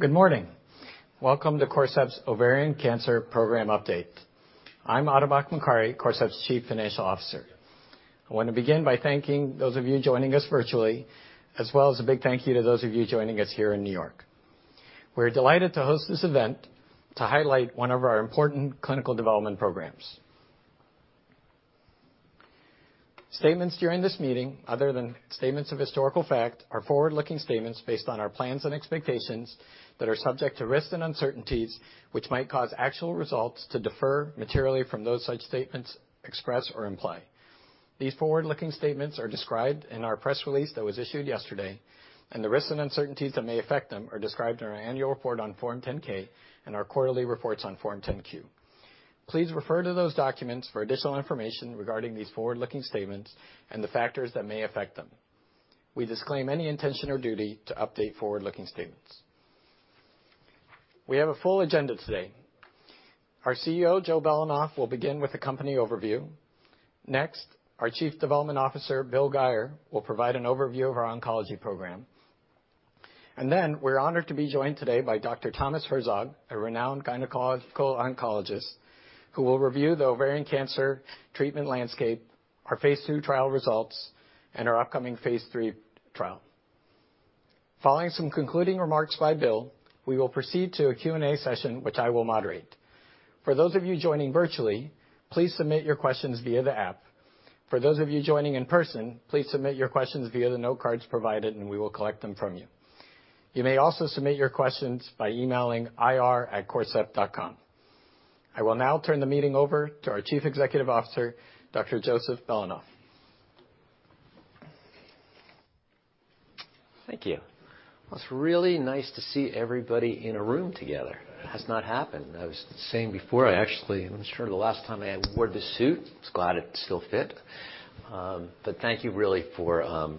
Good morning. Welcome to Corcept's Ovarian Cancer Program update. I'm Atabak Mokari, Corcept's Chief Financial Officer. I wanna begin by thanking those of you joining us virtually, as well as a big thank you to those of you joining us here in New York. We're delighted to host this event to highlight one of our important clinical development programs. Statements during this meeting, other than statements of historical fact, are forward-looking statements based on our plans and expectations that are subject to risks and uncertainties, which might cause actual results to differ materially from those expressed or implied in such statements. These forward-looking statements are described in our press release that was issued yesterday, and the risks and uncertainties that may affect them are described in our annual report on Form 10-K and our quarterly reports on Form 10-Q. Please refer to those documents for additional information regarding these forward-looking statements and the factors that may affect them. We disclaim any intention or duty to update forward-looking statements. We have a full agenda today. Our CEO, Joe Belanoff, will begin with a company overview. Next, our Chief Development Officer, Bill Guyer, will provide an overview of our oncology program. We're honored to be joined today by Dr. Thomas Herzog, a renowned gynecologic oncologist, who will review the ovarian cancer treatment landscape, our phase II trial results, and our upcoming phase III trial. Following some concluding remarks by Bill, we will proceed to a Q&A session, which I will moderate. For those of you joining virtually, please submit your questions via the app. For those of you joining in person, please submit your questions via the note cards provided, and we will collect them from you. You may also submit your questions by emailing ir@corcept.com. I will now turn the meeting over to our Chief Executive Officer, Dr. Joseph Belanoff. Thank you. Well, it's really nice to see everybody in a room together. It has not happened. I was saying before, I actually I'm not sure the last time I wore this suit. Just glad it still fit. Thank you really for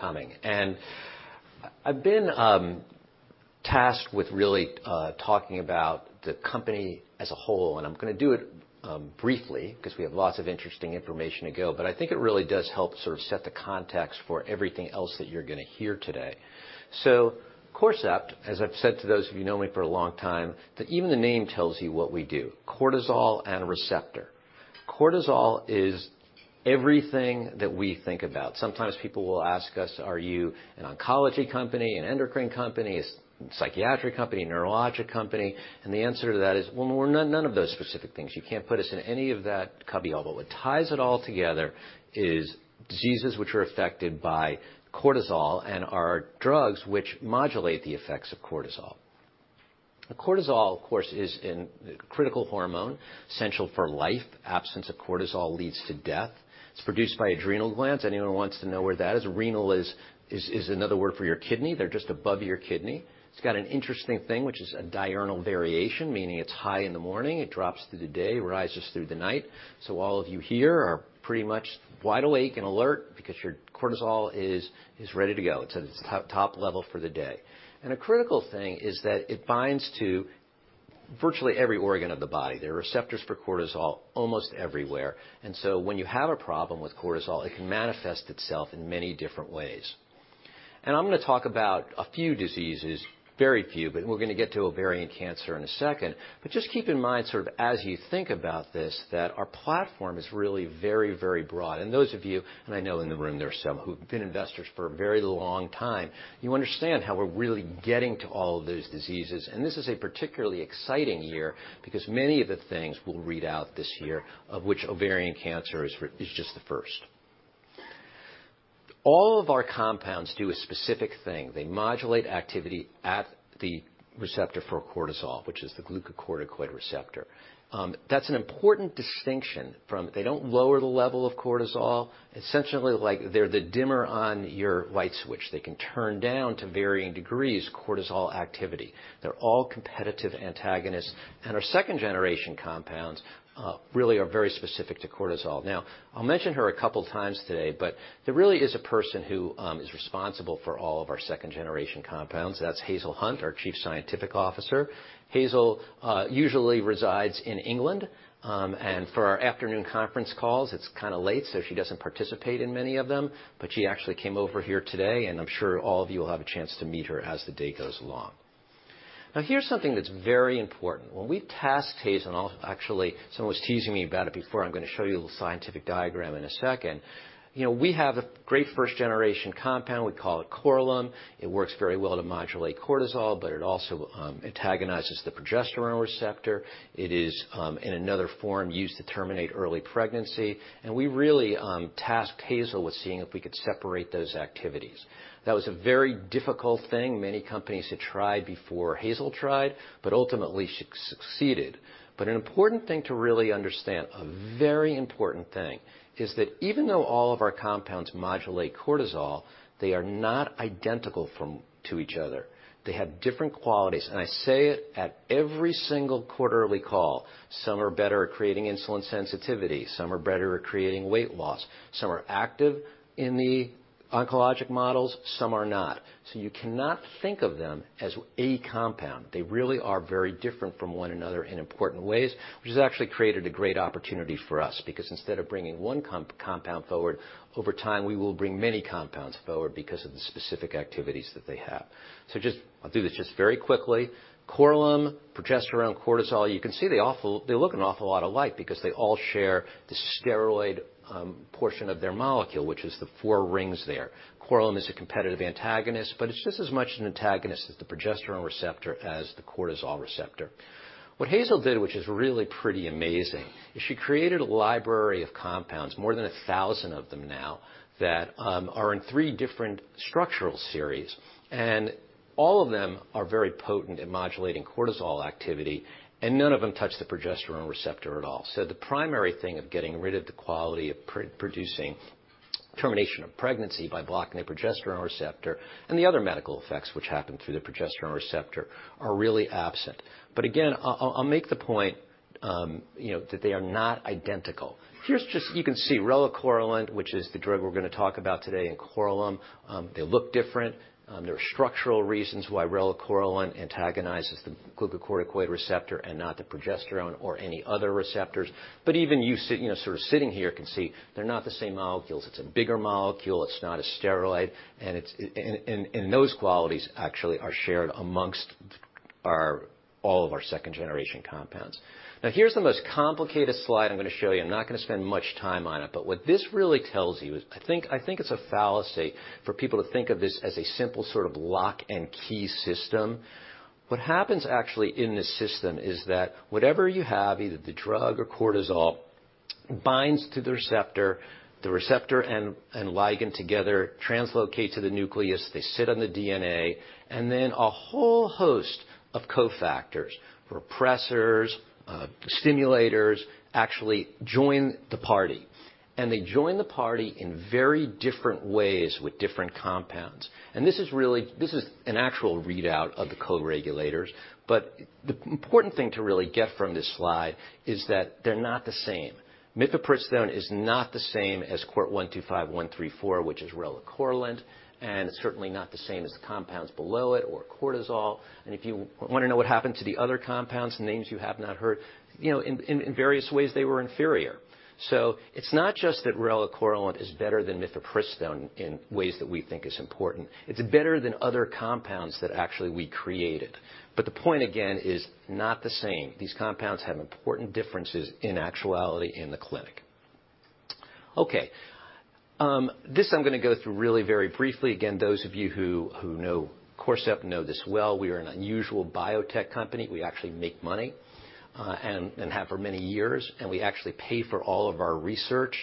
coming. I've been tasked with really talking about the company as a whole, and I'm gonna do it briefly 'cause we have lots of interesting information to go. I think it really does help sort of set the context for everything else that you're gonna hear today. Corcept, as I've said to those of you who've known me for a long time, that even the name tells you what we do, cortisol and receptor. Cortisol is everything that we think about. Sometimes people will ask us, "Are you an oncology company, an endocrine company, a psychiatric company, neurologic company?" The answer to that is, "Well, we're none of those specific things." You can't put us in any of that cubbyhole. What ties it all together is diseases which are affected by cortisol and our drugs which modulate the effects of cortisol. Cortisol, of course, is a critical hormone, essential for life. Absence of cortisol leads to death. It's produced by adrenal glands. Anyone who wants to know where that is, renal is another word for your kidney. They're just above your kidney. It's got an interesting thing, which is a diurnal variation, meaning it's high in the morning, it drops through the day, rises through the night. All of you here are pretty much wide awake and alert because your cortisol is ready to go. It's at its top level for the day. A critical thing is that it binds to virtually every organ of the body. There are receptors for cortisol almost everywhere. When you have a problem with cortisol, it can manifest itself in many different ways. I'm gonna talk about a few diseases, very few, but we're gonna get to ovarian cancer in a second. Just keep in mind, sort of as you think about this, that our platform is really very, very broad. Those of you, and I know in the room there are some, who've been investors for a very long time, you understand how we're really getting to all of those diseases. This is a particularly exciting year because many of the things will read out this year, of which ovarian cancer is just the first. All of our compounds do a specific thing. They modulate activity at the receptor for cortisol, which is the glucocorticoid receptor. That's an important distinction from they don't lower the level of cortisol. Essentially, like they're the dimmer on your light switch. They can turn down, to varying degrees, cortisol activity. They're all competitive antagonists. Our second generation compounds really are very specific to cortisol. Now, I'll mention her a couple times today, but there really is a person who is responsible for all of our second generation compounds. That's Hazel Hunt, our Chief Scientific Officer. Hazel usually resides in England, and for our afternoon conference calls, it's kinda late, so she doesn't participate in many of them. She actually came over here today, and I'm sure all of you will have a chance to meet her as the day goes along. Now, here's something that's very important. When we tasked Hazel actually someone was teasing me about it before. I'm gonna show you a little scientific diagram in a second. You know, we have a great first generation compound. We call it Korlym. It works very well to modulate cortisol, but it also antagonizes the progesterone receptor. It is in another form used to terminate early pregnancy. We really tasked Hazel with seeing if we could separate those activities. That was a very difficult thing many companies had tried before Hazel tried, but ultimately she succeeded. An important thing to really understand, a very important thing, is that even though all of our compounds modulate cortisol, they are not identical to each other. They have different qualities, and I say it at every single quarterly call. Some are better at creating insulin sensitivity. Some are better at creating weight loss. Some are active in oncologic models, some are not. You cannot think of them as a compound. They really are very different from one another in important ways, which has actually created a great opportunity for us, because instead of bringing one compound forward, over time, we will bring many compounds forward because of the specific activities that they have. I'll do this just very quickly. Korlym, progesterone, cortisol, you can see they look an awful lot alike because they all share the steroid portion of their molecule, which is the four rings there. Korlym is a competitive antagonist, but it's just as much an antagonist as the progesterone receptor as the cortisol receptor. What Hazel did, which is really pretty amazing, is she created a library of compounds, more than 1,000 of them now, that are in three different structural series, and all of them are very potent in modulating cortisol activity, and none of them touch the progesterone receptor at all. The primary thing of getting rid of the quality of pre-producing termination of pregnancy by blocking the progesterone receptor and the other medical effects which happen through the progesterone receptor are really absent. Again, I'll make the point, you know, that they are not identical. Here's, just you can see relacorilant, which is the drug we're gonna talk about today, and Korlym, they look different. There are structural reasons why relacorilant antagonizes the glucocorticoid receptor and not the progesterone or any other receptors. Even if you sit, you know, sort of sitting here can see they're not the same molecules. It's a bigger molecule. It's not a steroid and those qualities actually are shared amongst all of our second-generation compounds. Now, here's the most complicated slide I'm gonna show you. I'm not gonna spend much time on it, but what this really tells you is I think it's a fallacy for people to think of this as a simple sort of lock and key system. What happens actually in this system is that whatever you have, either the drug or cortisol, binds to the receptor. The receptor and ligand together translocate to the nucleus. They sit on the DNA, and then a whole host of cofactors, repressors, stimulators actually join the party, and they join the party in very different ways with different compounds. This is really an actual readout of the coregulators. But the important thing to really get from this slide is that they're not the same. Mifepristone is not the same as CORT125134, which is relacorilant, and it's certainly not the same as the compounds below it or cortisol. If you wanna know what happened to the other compounds, names you have not heard, you know, in various ways, they were inferior. It's not just that relacorilant is better than mifepristone in ways that we think is important. It's better than other compounds that actually we created. The point, again, is not the same. These compounds have important differences in actuality in the clinic. Okay, this I'm gonna go through really very briefly. Again, those of you who know Corcept know this well. We are an unusual biotech company. We actually make money, and have for many years, and we actually pay for all of our research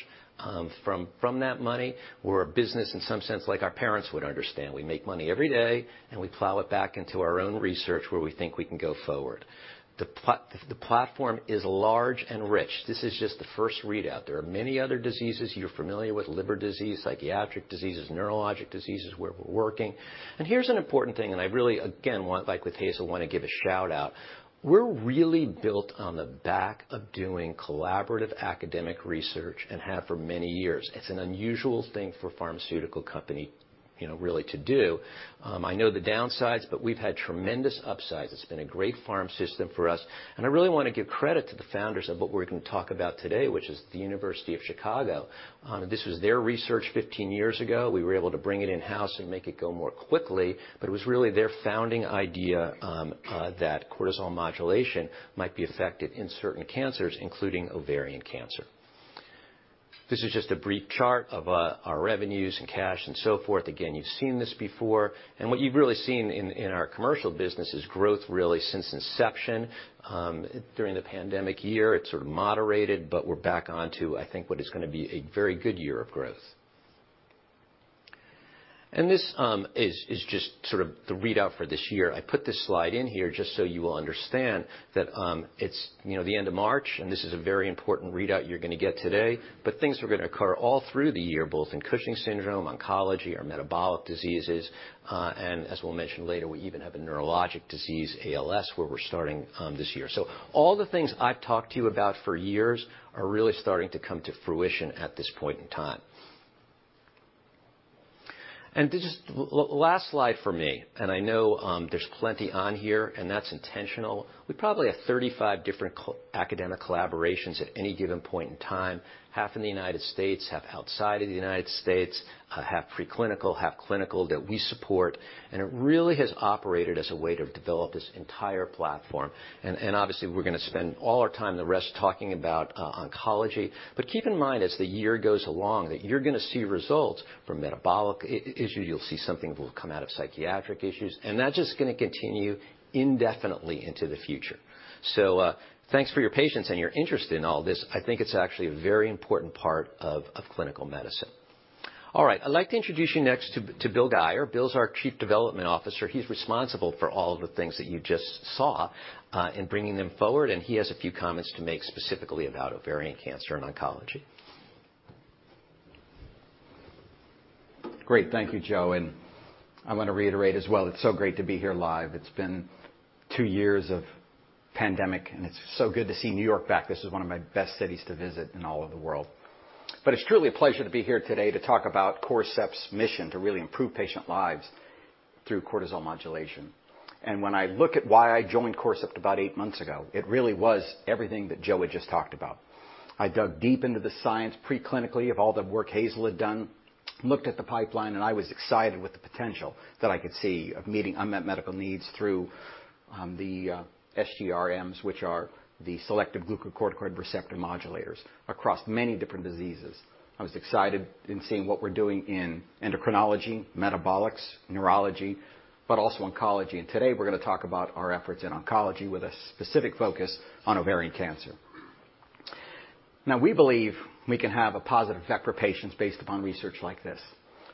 from that money. We're a business in some sense like our parents would understand. We make money every day, and we plow it back into our own research where we think we can go forward. The platform is large and rich. This is just the first readout. There are many other diseases you're familiar with, liver disease, psychiatric diseases, neurologic diseases, where we're working. Here's an important thing, and I really, again, want, like with Hazel, wanna give a shout-out. We're really built on the back of doing collaborative academic research and have for many years. It's an unusual thing for a pharmaceutical company, you know, really to do. I know the downsides, but we've had tremendous upsides. It's been a great farm system for us, and I really wanna give credit to the founders of what we're gonna talk about today, which is the University of Chicago. This was their research 15 years ago. We were able to bring it in-house and make it go more quickly, but it was really their founding idea that cortisol modulation might be effective in certain cancers, including ovarian cancer. This is just a brief chart of our revenues and cash and so forth. Again, you've seen this before, and what you've really seen in our commercial business is growth really since inception. During the pandemic year, it sort of moderated, but we're back on to, I think, what is gonna be a very good year of growth. This is just sort of the readout for this year. I put this slide in here just so you will understand that, it's, you know, the end of March, and this is a very important readout you're gonna get today. Things are gonna occur all through the year, both in Cushing's syndrome, oncology, our metabolic diseases, and as we'll mention later, we even have a neurologic disease, ALS, where we're starting this year. All the things I've talked to you about for years are really starting to come to fruition at this point in time. This is last slide from me, and I know, there's plenty on here, and that's intentional. We probably have 35 different academic collaborations at any given point in time, half in the United States, half outside of the United States, half preclinical, half clinical that we support, and it really has operated as a way to develop this entire platform. Obviously, we're gonna spend all our time, the rest, talking about oncology. Keep in mind as the year goes along that you're gonna see results from metabolic issues. You'll see something will come out of psychiatric issues, and that's just gonna continue indefinitely into the future. Thanks for your patience and your interest in all this. I think it's actually a very important part of clinical medicine. All right, I'd like to introduce you next to Bill Guyer. Bill's our Chief Development Officer. He's responsible for all of the things that you just saw in bringing them forward, and he has a few comments to make specifically about ovarian cancer and oncology. Great. Thank you, Joe, and I wanna reiterate as well, it's so great to be here live. It's been two years of pandemic, and it's so good to see New York back. This is one of my best cities to visit in all of the world. It's truly a pleasure to be here today to talk about Corcept's mission to really improve patient lives through cortisol modulation. When I look at why I joined Corcept about eight months ago, it really was everything that Joe had just talked about. I dug deep into the science pre-clinically of all the work Hazel had done, looked at the pipeline, and I was excited with the potential that I could see of meeting unmet medical needs through the SGRMs, which are the selective glucocorticoid receptor modulators across many different diseases. I was excited in seeing what we're doing in endocrinology, metabolics, neurology, but also oncology. Today, we're gonna talk about our efforts in oncology with a specific focus on ovarian cancer. Now, we believe we can have a positive effect for patients based upon research like this.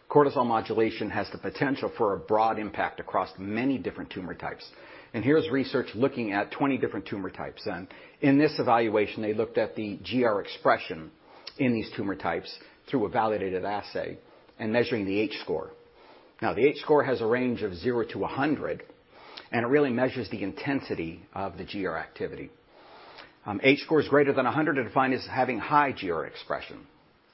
Cortisol modulation has the potential for a broad impact across many different tumor types, and here's research looking at 20 different tumor types. In this evaluation, they looked at the GR expression in these tumor types through a validated assay and measuring the H-score. Now, the H-score has a range of 0 to 100, and it really measures the intensity of the GR activity. H-scores greater than 100 are defined as having high GR expression.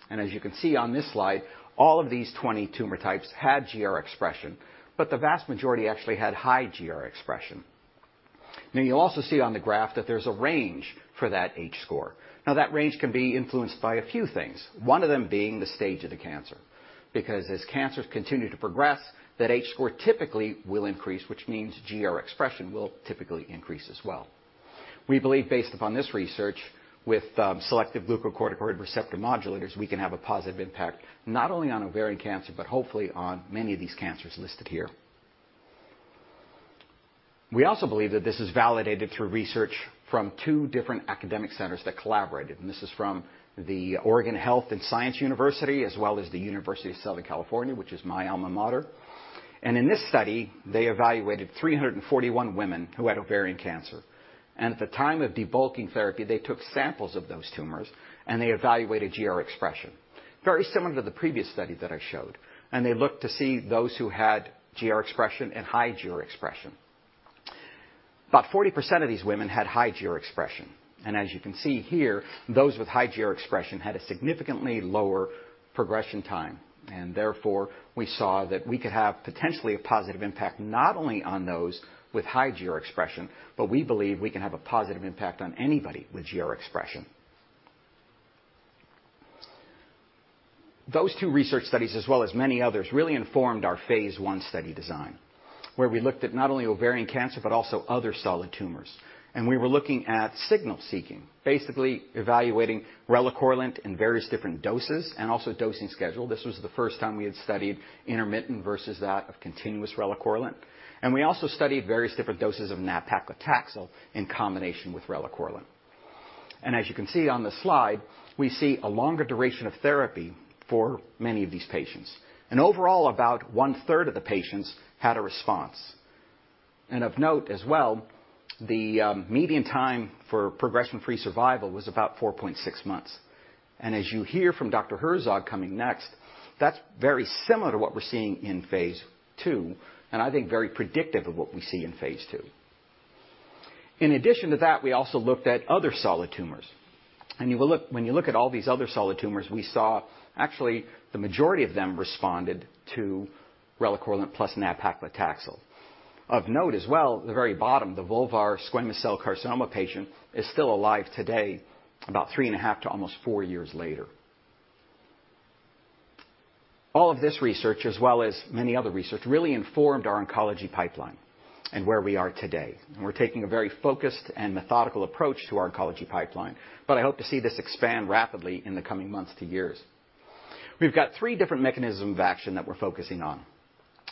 As you can see on this slide, all of these 20 tumor types had GR expression, but the vast majority actually had high GR expression. Now you'll also see on the graph that there's a range for that H-score. Now that range can be influenced by a few things, one of them being the stage of the cancer. Because as cancers continue to progress, that H-score typically will increase, which means GR expression will typically increase as well. We believe based upon this research with selective glucocorticoid receptor modulators, we can have a positive impact not only on ovarian cancer, but hopefully on many of these cancers listed here. We also believe that this is validated through research from two different academic centers that collaborated, and this is from the Oregon Health and Science University, as well as the University of Southern California, which is my alma mater. In this study, they evaluated 341 women who had ovarian cancer. At the time of debulking therapy, they took samples of those tumors, and they evaluated GR expression, very similar to the previous study that I showed. They looked to see those who had GR expression and high GR expression. About 40% of these women had high GR expression, and as you can see here, those with high GR expression had a significantly lower progression time, and therefore, we saw that we could have potentially a positive impact, not only on those with high GR expression, but we believe we can have a positive impact on anybody with GR expression. Those two research studies, as well as many others, really informed our phase I study design, where we looked at not only ovarian cancer, but also other solid tumors. We were looking at signal seeking, basically evaluating relacorilant in various different doses and also dosing schedule. This was the first time we had studied intermittent versus that of continuous relacorilant. We also studied various different doses of nab-paclitaxel in combination with relacorilant. As you can see on the slide, we see a longer duration of therapy for many of these patients. Overall, about one-third of the patients had a response. Of note as well, the median time for progression-free survival was about 4.6 months. As you hear from Dr. Herzog coming next, that's very similar to what we're seeing in phase II, and I think very predictive of what we see in phase II. In addition to that, we also looked at other solid tumors. When you look at all these other solid tumors, we saw actually the majority of them responded to relacorilant plus nab-paclitaxel. Of note as well, at the very bottom, the vulvar squamous cell carcinoma patient is still alive today, about 3.5-4 years later. All of this research, as well as many other research, really informed our oncology pipeline and where we are today. We're taking a very focused and methodical approach to our oncology pipeline, but I hope to see this expand rapidly in the coming months to years. We've got three different mechanism of action that we're focusing on.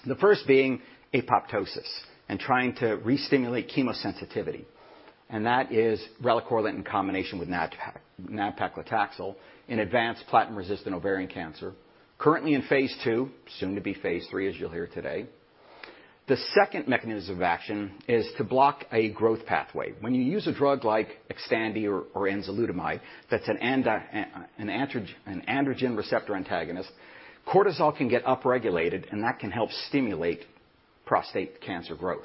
The first being apoptosis and trying to restimulate chemosensitivity, and that is relacorilant in combination with nab-paclitaxel in advanced platinum-resistant ovarian cancer. Currently in phase II, soon to be phase III, as you'll hear today. The second mechanism of action is to block a growth pathway. When you use a drug like Xtandi or enzalutamide, that's an androgen receptor antagonist, cortisol can get upregulated, and that can help stimulate prostate cancer growth.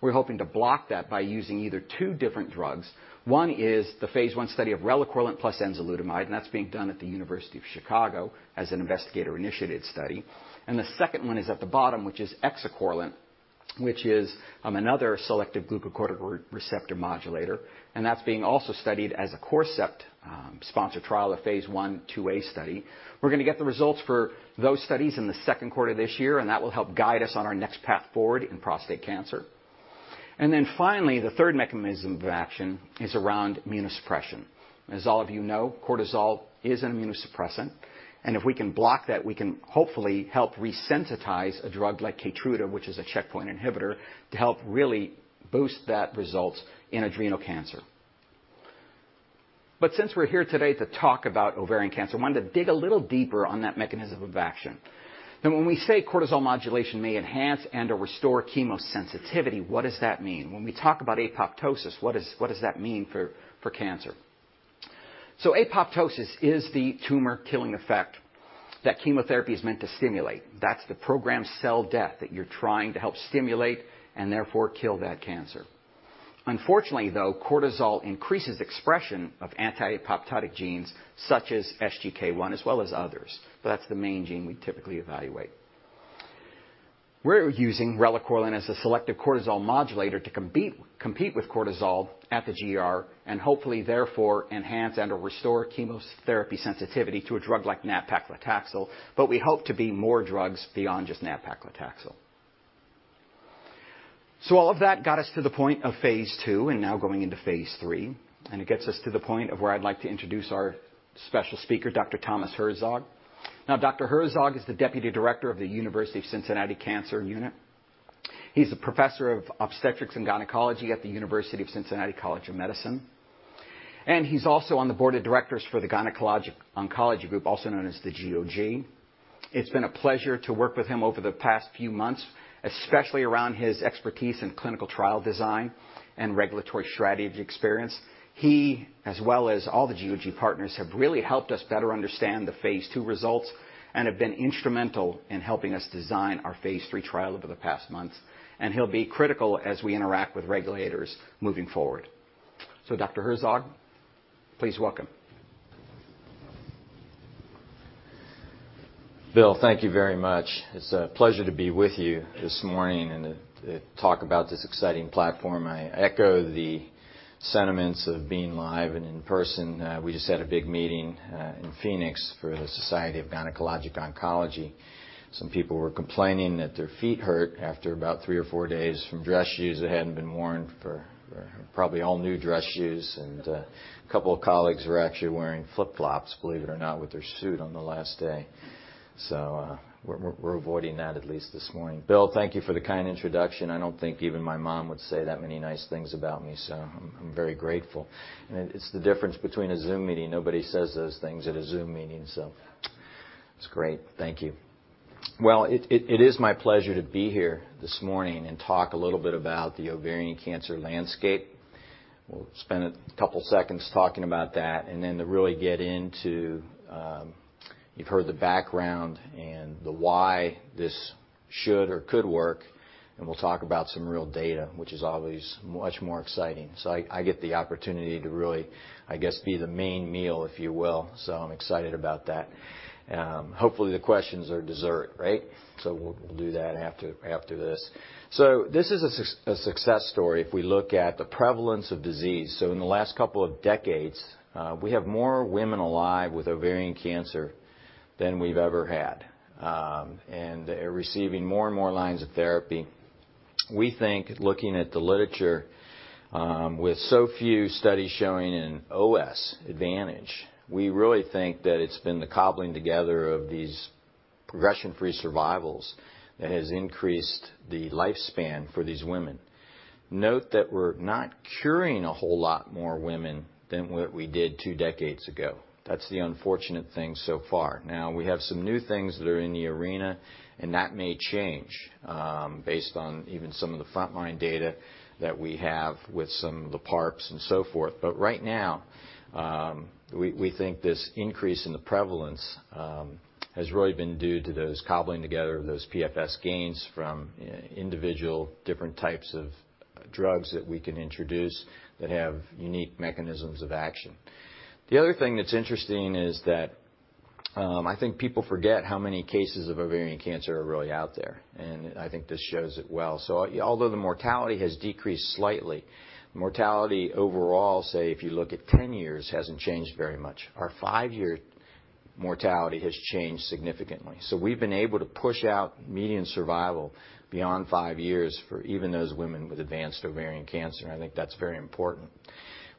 We're hoping to block that by using either two different drugs. One is the phase I study of relacorilant plus enzalutamide, and that's being done at the University of Chicago as an investigator-initiated study. The second one is at the bottom, which is exicorilant, which is another selective glucocorticoid receptor modulator, and that's being also studied as a Corcept sponsor trial of phase I/IIa study. We're gonna get the results for those studies in the second quarter this year, and that will help guide us on our next path forward in prostate cancer. Finally, the third mechanism of action is around immunosuppression. As all of you know, cortisol is an immunosuppressant, and if we can block that, we can hopefully help resensitize a drug like Keytruda, which is a checkpoint inhibitor, to help really boost that result in adrenal cancer. But since we're here today to talk about ovarian cancer, I wanted to dig a little deeper on that mechanism of action. Now when we say cortisol modulation may enhance and/or restore chemosensitivity, what does that mean? When we talk about apoptosis, what does that mean for cancer? Apoptosis is the tumor-killing effect that chemotherapy is meant to stimulate. That's the programmed cell death that you're trying to help stimulate and therefore kill that cancer. Unfortunately, though, cortisol increases expression of anti-apoptotic genes such as SGK1 as well as others. That's the main gene we typically evaluate. We're using relacorilant as a selective cortisol modulator to compete with cortisol at the GR and hopefully therefore enhance and/or restore chemotherapy sensitivity to a drug like nab-paclitaxel, but we hope to be more drugs beyond just nab-paclitaxel. All of that got us to the point of phase II and now going into phase III, and it gets us to the point of where I'd like to introduce our special speaker, Dr. Thomas Herzog. Now, Dr. Herzog is the deputy director of the University of Cincinnati Cancer Center. He's a professor of obstetrics and gynecology at the University of Cincinnati College of Medicine, and he's also on the board of directors for the Gynecologic Oncology Group, also known as the GOG. It's been a pleasure to work with him over the past few months, especially around his expertise in clinical trial design and regulatory strategy experience. He, as well as all the GOG Partners, have really helped us better understand the phase II results and have been instrumental in helping us design our phase III trial over the past months. He'll be critical as we interact with regulators moving forward. Dr. Herzog, please welcome. Bill, thank you very much. It's a pleasure to be with you this morning and to talk about this exciting platform. I echo the sentiments of being live and in person. We just had a big meeting in Phoenix for the Society of Gynecologic Oncology. Some people were complaining that their feet hurt after about three or four days from dress shoes that hadn't been worn. They're probably all new dress shoes, and a couple of colleagues were actually wearing flip-flops, believe it or not, with their suit on the last day. We're avoiding that at least this morning. Bill, thank you for the kind introduction. I don't think even my mom would say that many nice things about me, so I'm very grateful. It's the difference between a Zoom meeting. Nobody says those things at a Zoom meeting, so it's great. Thank you. Well, it is my pleasure to be here this morning and talk a little bit about the ovarian cancer landscape. We'll spend a couple seconds talking about that and then to really get into, you've heard the background and the why this should or could work, and we'll talk about some real data, which is always much more exciting. I get the opportunity to really, I guess, be the main meal, if you will. I'm excited about that. Hopefully, the questions are dessert, right? We'll do that after this. This is a success story if we look at the prevalence of disease. In the last couple of decades, we have more women alive with ovarian cancer than we've ever had, and they're receiving more and more lines of therapy. We think looking at the literature, with so few studies showing an OS advantage, we really think that it's been the cobbling together of these progression-free survivals that has increased the lifespan for these women. Note that we're not curing a whole lot more women than what we did two decades ago. That's the unfortunate thing so far. Now, we have some new things that are in the arena, and that may change, based on even some of the front-line data that we have with some of the PARPs and so forth. Right now, we think this increase in the prevalence has really been due to those cobbling together, those PFS gains from individual different types of drugs that we can introduce that have unique mechanisms of action. The other thing that's interesting is that, I think people forget how many cases of ovarian cancer are really out there, and I think this shows it well. Although the mortality has decreased slightly, mortality overall, say if you look at 10 years, hasn't changed very much. Our 5-year mortality has changed significantly. We've been able to push out median survival beyond 5 years for even those women with advanced ovarian cancer. I think that's very important.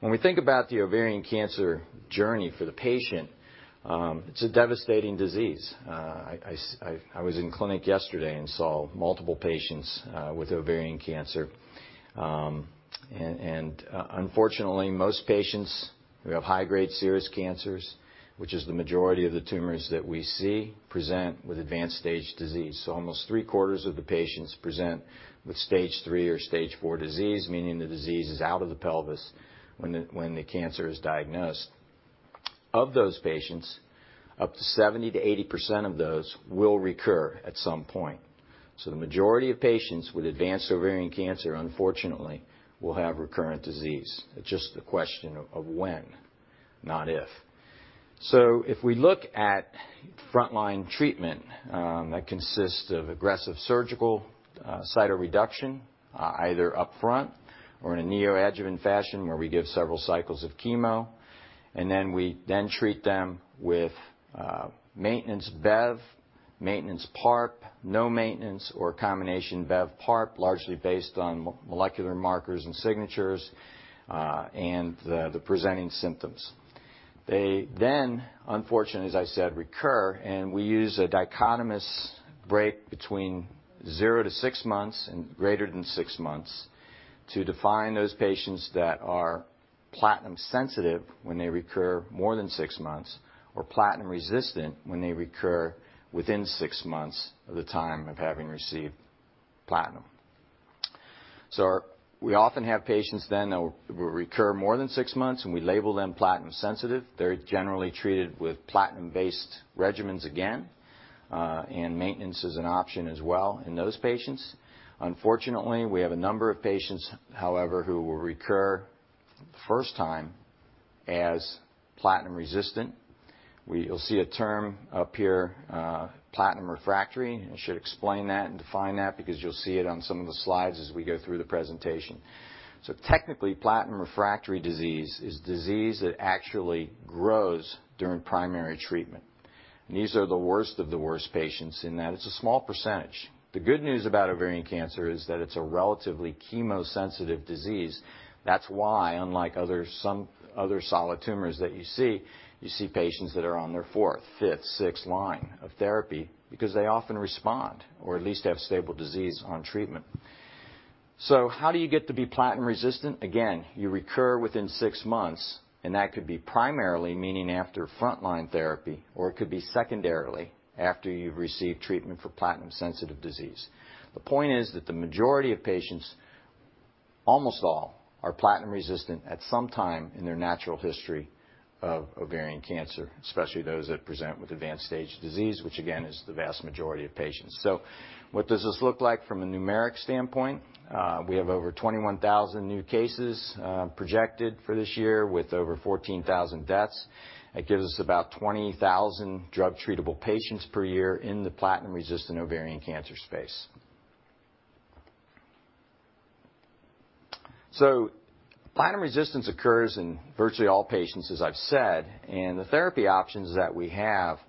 When we think about the ovarian cancer journey for the patient, it's a devastating disease. I was in clinic yesterday and saw multiple patients with ovarian cancer. Unfortunately, most patients who have high-grade serous cancers, which is the majority of the tumors that we see, present with advanced stage disease. Almost three-quarters of the patients present with stage 3 or stage 4 disease, meaning the disease is out of the pelvis when the cancer is diagnosed. Of those patients, up to 70%-80% of those will recur at some point. The majority of patients with advanced ovarian cancer, unfortunately, will have recurrent disease. It's just the question of when, not if. If we look at frontline treatment, that consists of aggressive surgical cytoreduction, either up front or in a neoadjuvant fashion, where we give several cycles of chemo, and then we treat them with maintenance Bev, maintenance PARP, no maintenance, or combination Bev PARP, largely based on molecular markers and signatures, and the presenting symptoms. They then, unfortunately, as I said, recur, and we use a dichotomous break between 0-6 months and greater than six months to define those patients that are platinum sensitive when they recur more than six months or platinum resistant when they recur within six months of the time of having received platinum. We often have patients then that will recur more than six months, and we label them platinum sensitive. They're generally treated with platinum-based regimens again, and maintenance is an option as well in those patients. Unfortunately, we have a number of patients, however, who will recur first time as platinum resistant. You'll see a term up here, platinum refractory. I should explain that and define that because you'll see it on some of the slides as we go through the presentation. Technically, platinum refractory disease is disease that actually grows during primary treatment. These are the worst of the worst patients in that it's a small percentage. The good news about ovarian cancer is that it's a relatively chemo-sensitive disease. That's why, unlike some other solid tumors that you see, you see patients that are on their fourth, fifth, sixth line of therapy because they often respond or at least have stable disease on treatment. How do you get to be platinum resistant? Again, you recur within six months, and that could be primarily, meaning after frontline therapy, or it could be secondarily after you've received treatment for platinum-sensitive disease. The point is that the majority of patients, almost all, are platinum resistant at some time in their natural history of ovarian cancer, especially those that present with advanced stage disease, which again, is the vast majority of patients. What does this look like from a numeric standpoint? We have over 21,000 new cases projected for this year with over 14,000 deaths. It gives us about 20,000 drug-treatable patients per year in the platinum-resistant ovarian cancer space. Platinum resistance occurs in virtually all patients, as I've said. The therapy options that we have,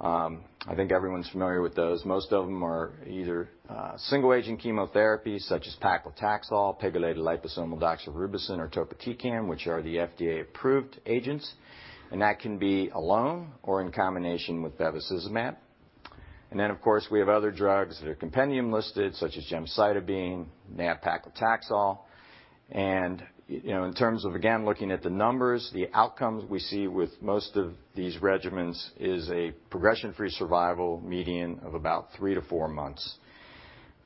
I think everyone's familiar with those. Most of them are either single-agent chemotherapy, such as paclitaxel, pegylated liposomal doxorubicin, or topotecan, which are the FDA-approved agents. That can be alone or in combination with bevacizumab. Then, of course, we have other drugs that are compendium listed, such as gemcitabine, nab-paclitaxel. You know, in terms of, again, looking at the numbers, the outcomes we see with most of these regimens is a progression-free survival median of about 3-4 months.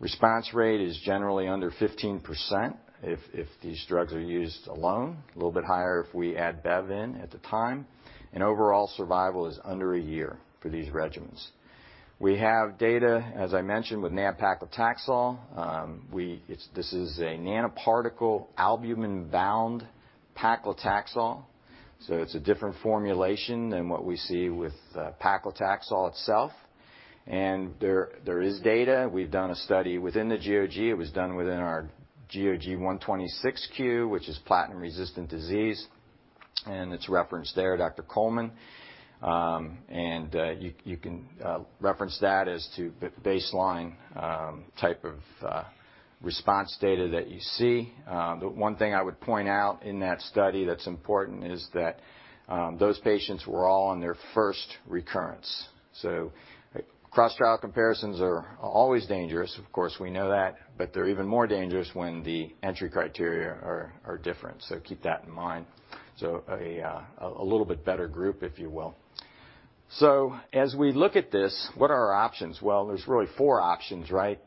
Response rate is generally under 15% if these drugs are used alone, a little bit higher if we add Bev in at the time. Overall survival is under a year for these regimens. We have data, as I mentioned, with nab-paclitaxel. This is a nanoparticle albumin-bound paclitaxel, so it's a different formulation than what we see with paclitaxel itself. There is data. We've done a study within the GOG. It was done within our GOG 126Q, which is platinum-resistant disease, and it's referenced there, Dr. Coleman. You can reference that as to the baseline type of response data that you see. The one thing I would point out in that study that's important is that those patients were all on their first recurrence. Cross-trial comparisons are always dangerous. Of course, we know that, but they're even more dangerous when the entry criteria are different. Keep that in mind. A little bit better group, if you will. As we look at this, what are our options? Well, there's really four options, right?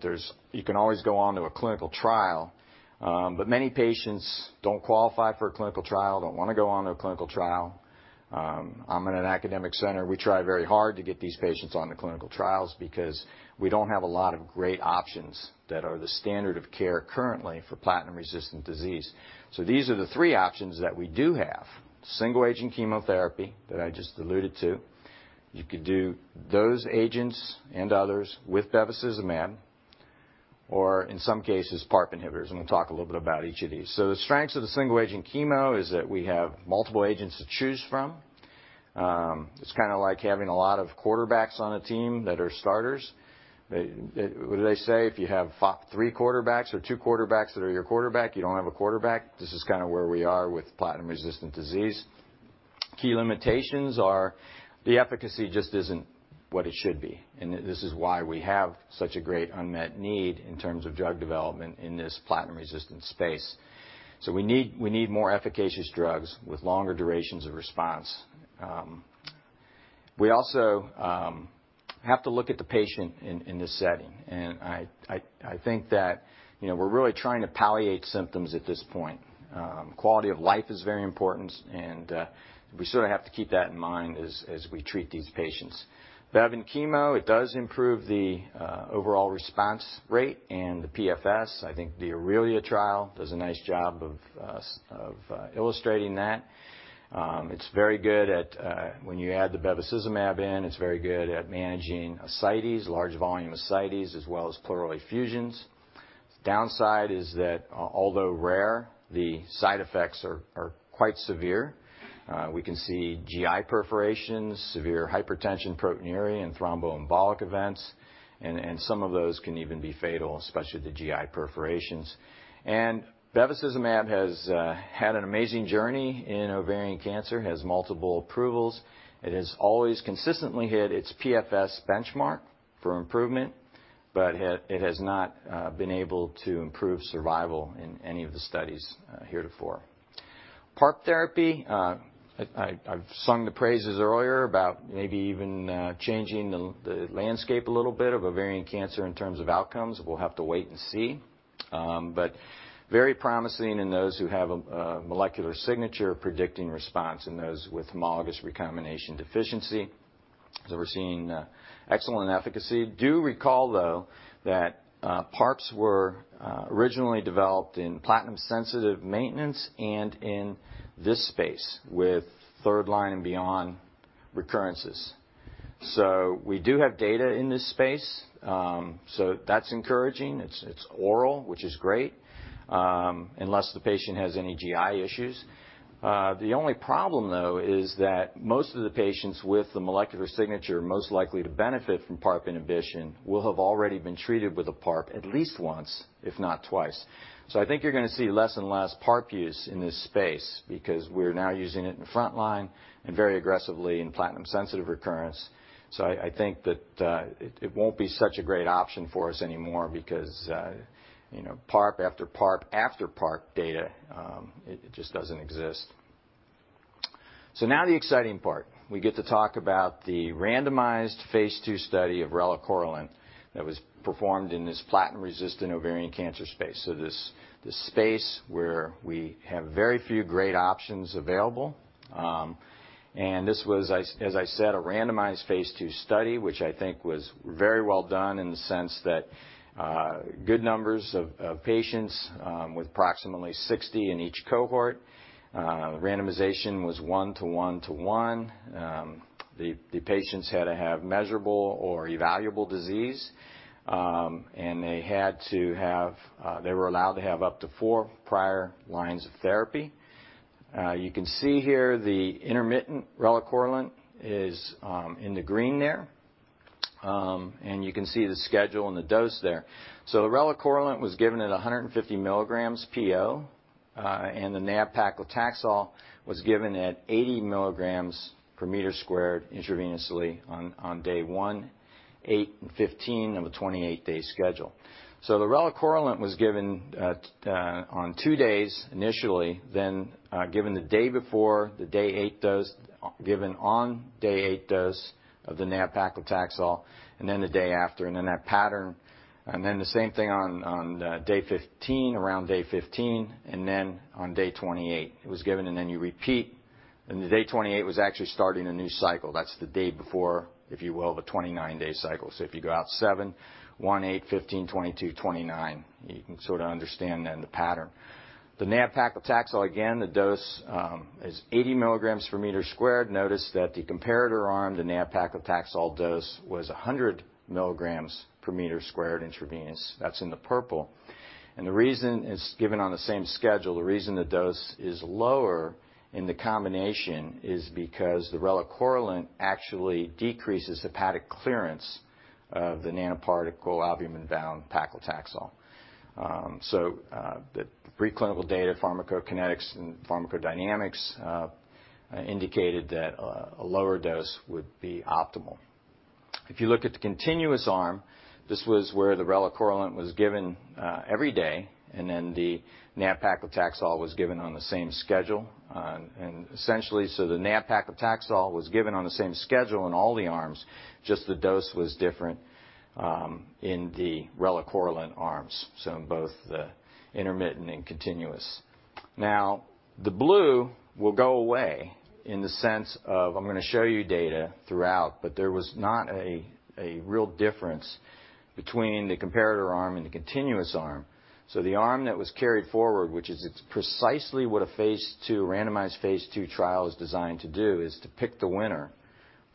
You can always go on to a clinical trial, but many patients don't qualify for a clinical trial, don't wanna go on to a clinical trial. I'm in an academic center. We try very hard to get these patients on to clinical trials because we don't have a lot of great options that are the standard of care currently for platinum-resistant disease. These are the three options that we do have. Single-agent chemotherapy that I just alluded to. You could do those agents and others with bevacizumab, or in some cases, PARP inhibitors, and we'll talk a little bit about each of these. The strengths of the single-agent chemo is that we have multiple agents to choose from. It's kind of like having a lot of quarterbacks on a team that are starters. What do they say? If you have three quarterbacks or two quarterbacks that are your quarterback, you don't have a quarterback. This is kind of where we are with platinum-resistant disease. Key limitations are the efficacy just isn't what it should be, and this is why we have such a great unmet need in terms of drug development in this platinum-resistant space. We need more efficacious drugs with longer durations of response. We also have to look at the patient in this setting. I think that, you know, we're really trying to palliate symptoms at this point. Quality of life is very important, and we sort of have to keep that in mind as we treat these patients. Bev in chemo, it does improve the overall response rate and the PFS. I think the AURELIA trial does a nice job of illustrating that. It's very good at when you add the bevacizumab in. It's very good at managing ascites, large volume ascites, as well as pleural effusions. Downside is that although rare, the side effects are quite severe. We can see GI perforations, severe hypertension, proteinuria, and thromboembolic events. Some of those can even be fatal, especially the GI perforations. Bevacizumab has had an amazing journey in ovarian cancer, has multiple approvals. It has always consistently hit its PFS benchmark for improvement, but it has not been able to improve survival in any of the studies heretofore. PARP therapy, I've sung the praises earlier about maybe even changing the landscape a little bit of ovarian cancer in terms of outcomes. We'll have to wait and see. Very promising in those who have a molecular signature predicting response in those with homologous recombination deficiency, so we're seeing excellent efficacy. Do recall, though, that PARPs were originally developed in platinum-sensitive maintenance and in this space with third line and beyond recurrences. We do have data in this space, so that's encouraging. It's oral, which is great, unless the patient has any GI issues. The only problem, though, is that most of the patients with the molecular signature most likely to benefit from PARP inhibition will have already been treated with a PARP at least once, if not twice. I think you're going to see less and less PARP use in this space because we're now using it in the front line and very aggressively in platinum-sensitive recurrence. I think that it won't be such a great option for us anymore because you know, PARP after PARP after PARP data, it just doesn't exist. Now the exciting part. We get to talk about the randomized phase II study of relacorilant that was performed in this platinum-resistant ovarian cancer space. This space where we have very few great options available. This was, as I said, a randomized phase II study, which I think was very well done in the sense that good numbers of patients with approximately 60 in each cohort. Randomization was one-to-one to one. The patients had to have measurable or evaluable disease, and they were allowed to have up to four prior lines of therapy. You can see here the intermittent relacorilant is in the green there. You can see the schedule and the dose there. The relacorilant was given at 150 mg PO, and the nab-paclitaxel was given at 80 mg/m² intravenously on day 1, 8 and 15 of a 28-day schedule. The relacorilant was given on two days initially, then given the day before the day 8 dose, given on day 8 dose of the nab-paclitaxel, and then the day after, and then that pattern. Then the same thing on day 15, around day 15, and then on day 28. It was given, and then you repeat. The day 28 was actually starting a new cycle. That's the day before, if you will, the 29-day cycle. If you go out 7, 1, 8, 15, 22, 29, you can sort of understand then the pattern. The nab-paclitaxel, again, the dose, is 80 mg/m². Notice that the comparator arm, the nab-paclitaxel dose, was 100 mg/m² intravenous. That's in the purple. The reason it's given on the same schedule, the reason the dose is lower in the combination is because the relacorilant actually decreases hepatic clearance of the nanoparticle albumin-bound paclitaxel. The preclinical data, pharmacokinetics, and pharmacodynamics indicated that a lower dose would be optimal. If you look at the continuous arm, this was where the relacorilant was given every day, and then the nab-paclitaxel was given on the same schedule. The nab-paclitaxel was given on the same schedule in all the arms, just the dose was different in the relacorilant arms, in both the intermittent and continuous. Now, the blue will go away in the sense of I'm going to show you data throughout, but there was not a real difference between the comparator arm and the continuous arm. The arm that was carried forward, which is it's precisely what a phase II, randomized phase II trial is designed to do, is to pick the winner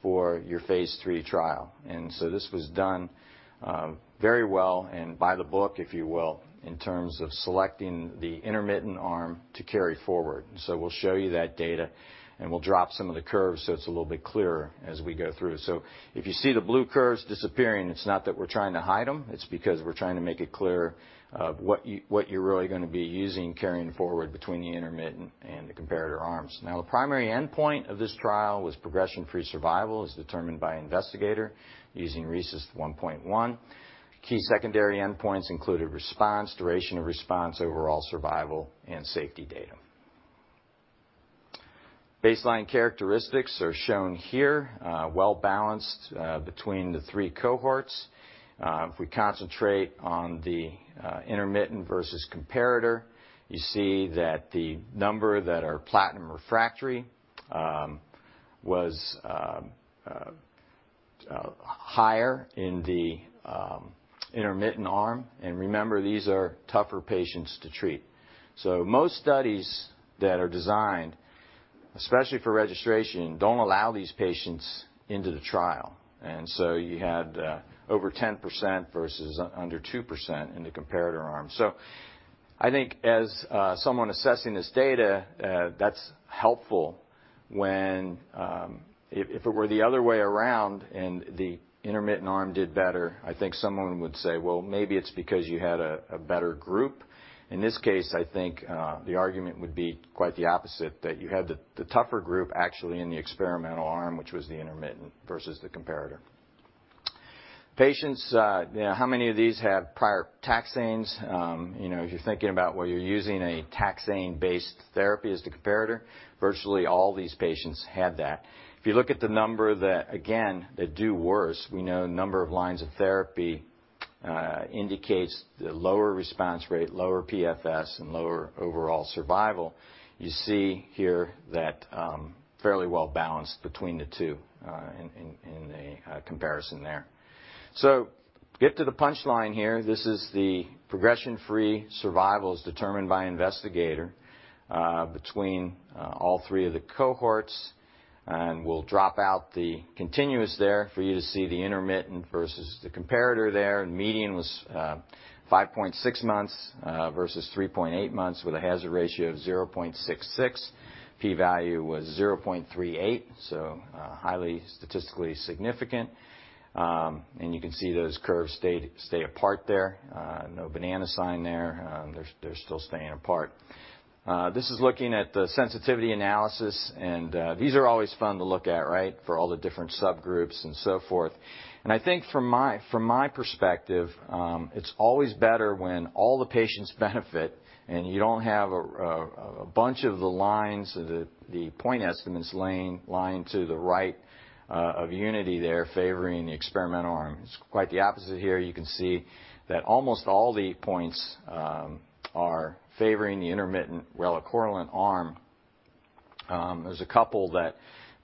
for your phase III trial. This was done very well and by the book, if you will, in terms of selecting the intermittent arm to carry forward. We'll show you that data, and we'll drop some of the curves so it's a little bit clearer as we go through. If you see the blue curves disappearing, it's not that we're trying to hide them. It's because we're trying to make it clear of what you're really going to be using carrying forward between the intermittent and the comparator arms. The primary endpoint of this trial was progression-free survival, as determined by investigator using RECIST 1.1. Key secondary endpoints included response, duration of response, overall survival, and safety data. Baseline characteristics are shown here, well-balanced between the three cohorts. If we concentrate on the intermittent versus comparator, you see that the number that are platinum refractory was higher in the intermittent arm. Remember, these are tougher patients to treat. Most studies that are designed, especially for registration, don't allow these patients into the trial. You had over 10% versus under 2% in the comparator arm. I think as someone assessing this data, that's helpful when if it were the other way around and the intermittent arm did better, I think someone would say, "Well, maybe it's because you had a better group." In this case, I think the argument would be quite the opposite, that you had the tougher group actually in the experimental arm, which was the intermittent versus the comparator. Patients, how many of these have prior taxanes? You know, if you're thinking about where you're using a taxane-based therapy as the comparator, virtually all these patients had that. If you look at the number that do worse, we know number of lines of therapy indicates the lower response rate, lower PFS, and lower overall survival. You see here that fairly well-balanced between the two in a comparison there. Get to the punchline here. This is the progression-free survival as determined by investigator between all three of the cohorts. We'll drop out the continuous there for you to see the intermittent versus the comparator there. Median was 5.6 months versus 3.8 months with a hazard ratio of 0.66. P-value was 0.38, so highly statistically significant. You can see those curves stay apart there. No banana sign there. They're still staying apart. This is looking at the sensitivity analysis, and these are always fun to look at, right? For all the different subgroups and so forth. I think from my perspective, it's always better when all the patients benefit and you don't have a bunch of the lines or the point estimates lying to the right of unity there favoring the experimental arm. It's quite the opposite here. You can see that almost all the points are favoring the intermittent relacorilant arm. There's a couple that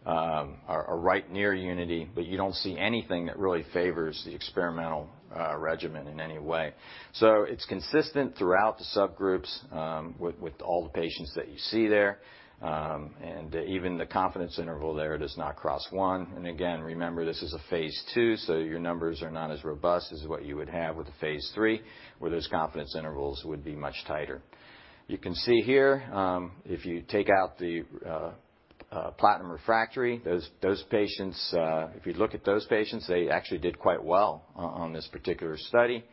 are right near unity, but you don't see anything that really favors the experimental regimen in any way. It's consistent throughout the subgroups with all the patients that you see there. Even the confidence interval there does not cross one. Again, remember, this is a phase II, so your numbers are not as robust as what you would have with a phase III, where those confidence intervals would be much tighter. You can see here, if you take out the platinum refractory, those patients, if you look at those patients, they actually did quite well on this particular study.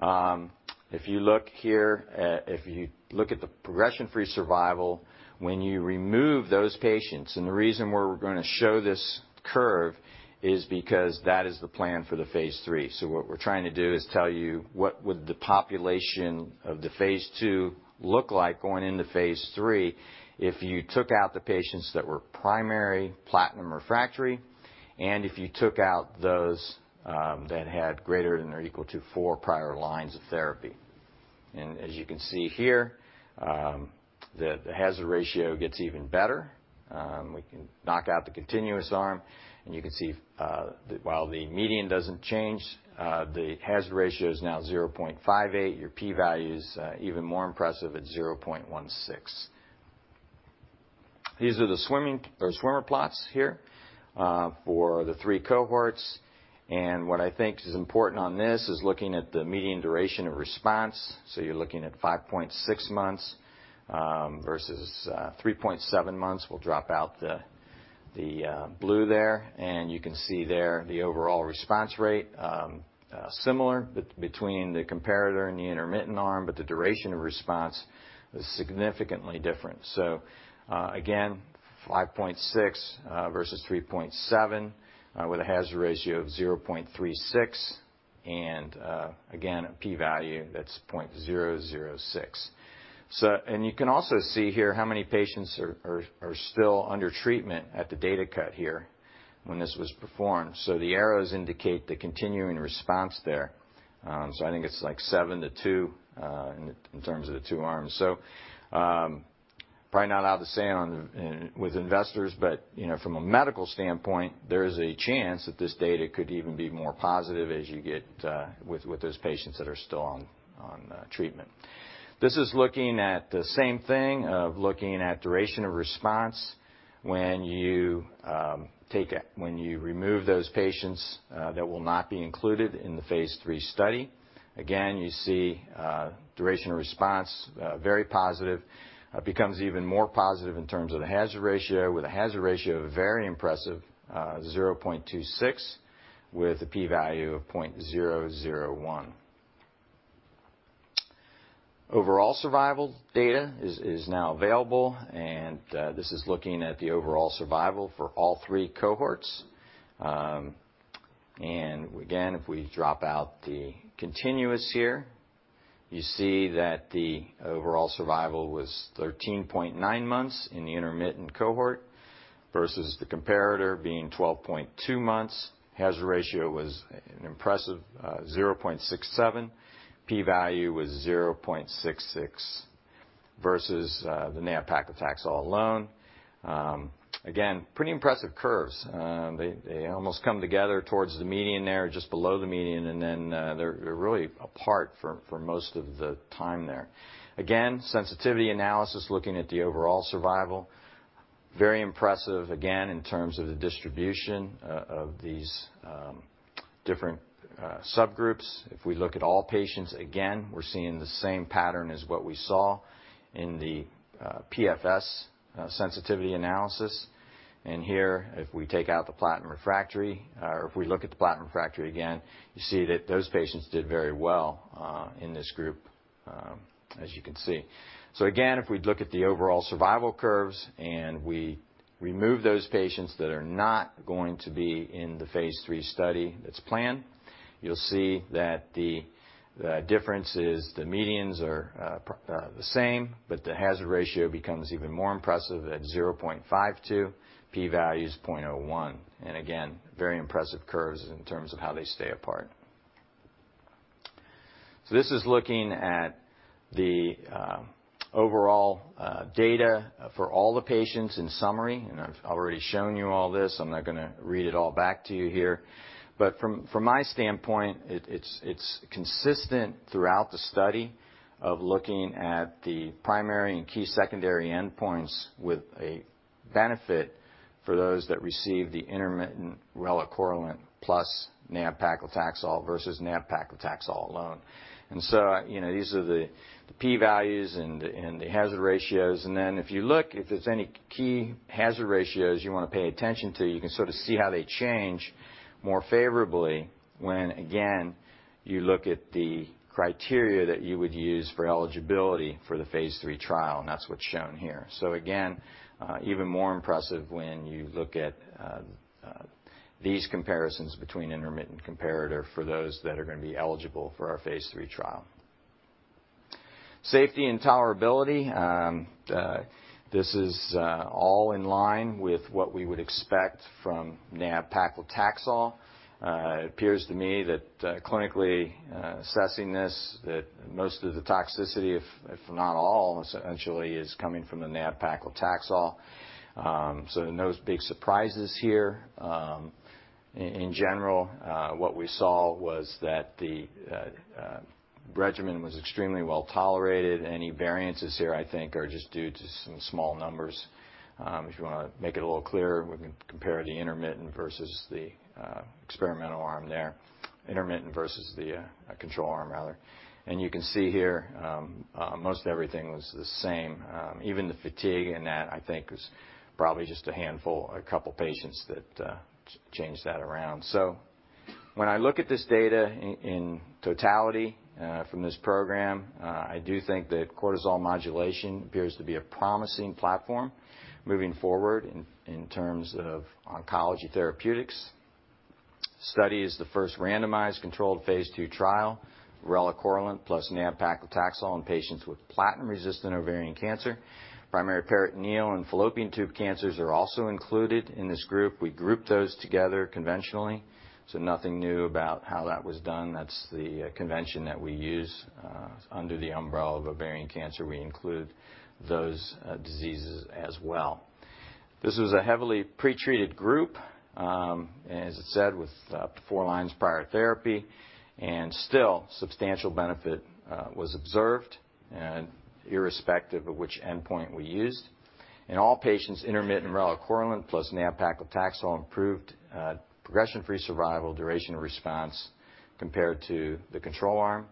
If you look here, if you look at the progression-free survival when you remove those patients, and the reason we're gonna show this curve is because that is the plan for the phase III. What we're trying to do is tell you what would the population of the phase II look like going into phase III if you took out the patients that were primary platinum refractory, and if you took out those that had greater than or equal to four prior lines of therapy. As you can see here, the hazard ratio gets even better. We can knock out the continuous arm, and you can see while the median doesn't change, the hazard ratio is now 0.58. Your P-value is even more impressive at 0.16. These are the swimmer plots here for the three cohorts. What I think is important on this is looking at the median duration of response. You're looking at 5.6 months versus 3.7 months. We'll drop out the blue there, and you can see there the overall response rate similar between the comparator and the intermittent arm, but the duration of response is significantly different. Again, 5.6 versus 3.7 with a hazard ratio of 0.36 and again a P-value that's 0.006. And you can also see here how many patients are still under treatment at the data cut here when this was performed. The arrows indicate the continuing response there. I think it's, like, 7 to 2 in terms of the two arms. Probably not allowed to say with investors, but you know, from a medical standpoint, there is a chance that this data could even be more positive as you get with those patients that are still on treatment. This is looking at the same thing of looking at duration of response when you remove those patients that will not be included in the phase III study. Again, you see duration of response very positive. Becomes even more positive in terms of the hazard ratio, with a hazard ratio of very impressive 0.26 with a P-value of 0.001. Overall survival data is now available, and this is looking at the overall survival for all three cohorts. Again, if we drop out the continuous here, you see that the overall survival was 13.9 months in the intermittent cohort versus the comparator being 12.2 months. Hazard ratio was an impressive 0.67. P-value was 0.66 versus the nab-paclitaxel alone. Again, pretty impressive curves. They almost come together towards the median there or just below the median, and then they're really apart for most of the time there. Again, sensitivity analysis looking at the overall survival. Very impressive again, in terms of the distribution of these different subgroups. If we look at all patients, again, we're seeing the same pattern as what we saw in the PFS sensitivity analysis. Here, if we take out the platinum refractory, or if we look at the platinum refractory again, you see that those patients did very well in this group, as you can see. Again, if we look at the overall survival curves and we remove those patients that are not going to be in the phase III study that's planned. You'll see that the difference is the medians are the same, but the hazard ratio becomes even more impressive at 0.52, p-value is 0.01. Again, very impressive curves in terms of how they stay apart. This is looking at the overall data for all the patients in summary, and I've already shown you all this, I'm not gonna read it all back to you here. From my standpoint, it's consistent throughout the study of looking at the primary and key secondary endpoints with a benefit for those that receive the intermittent relacorilant plus nab-paclitaxel versus nab-paclitaxel alone. These are the p-values and the hazard ratios. Then if you look, if there's any key hazard ratios you wanna pay attention to, you can sort of see how they change more favorably when again, you look at the criteria that you would use for eligibility for the phase III trial, and that's what's shown here. Even more impressive when you look at these comparisons between intermittent comparator for those that are gonna be eligible for our phase III trial. Safety and tolerability. This is all in line with what we would expect from nab-paclitaxel. It appears to me that, clinically, assessing this, that most of the toxicity, if not all, essentially is coming from the nab-paclitaxel. So no big surprises here. In general, what we saw was that the regimen was extremely well-tolerated. Any variances here I think are just due to some small numbers. If you wanna make it a little clearer, we can compare the intermittent versus the experimental arm there. Intermittent versus the control arm, rather. You can see here, most everything was the same. Even the fatigue in that, I think, is probably just a handful or a couple patients that changed that around. When I look at this data in totality from this program, I do think that cortisol modulation appears to be a promising platform moving forward in terms of oncology therapeutics. This study is the first randomized controlled phase II trial, relacorilant plus nab-paclitaxel in patients with platinum-resistant ovarian cancer. Primary peritoneal and fallopian tube cancers are also included in this group. We grouped those together conventionally, so nothing new about how that was done. That's the convention that we use. Under the umbrella of ovarian cancer, we include those diseases as well. This was a heavily pretreated group, as I said, with up to four lines prior therapy, and still substantial benefit was observed and irrespective of which endpoint we used. In all patients, intermittent relacorilant plus nab-paclitaxel improved progression-free survival duration response compared to the control arm.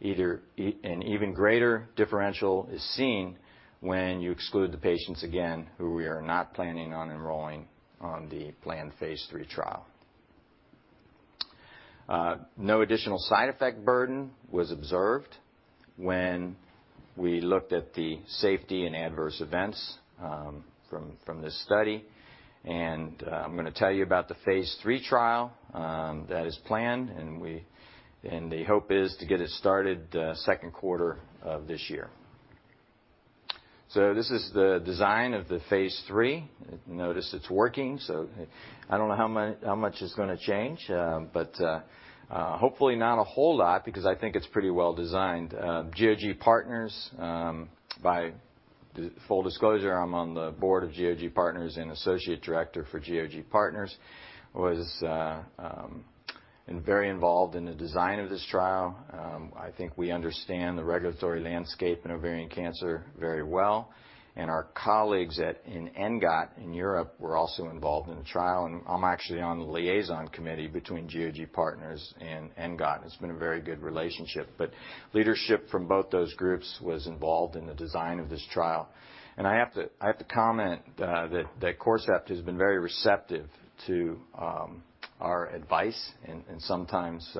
Either. An even greater differential is seen when you exclude the patients again, who we are not planning on enrolling on the planned phase III trial. No additional side effect burden was observed when we looked at the safety and adverse events from this study. I'm gonna tell you about the phase III trial that is planned, and the hope is to get it started second quarter of this year. This is the design of the phase III. Notice it's working, I don't know how much is gonna change, but hopefully not a whole lot because I think it's pretty well designed. GOG Partners full disclosure, I'm on the board of GOG Partners and associate director for GOG Partners was very involved in the design of this trial. I think we understand the regulatory landscape in ovarian cancer very well, and our colleagues in ENGOT in Europe were also involved in the trial, and I'm actually on the liaison committee between GOG Partners and ENGOT. It's been a very good relationship. Leadership from both those groups was involved in the design of this trial. I have to comment that Corcept has been very receptive to our advice and sometimes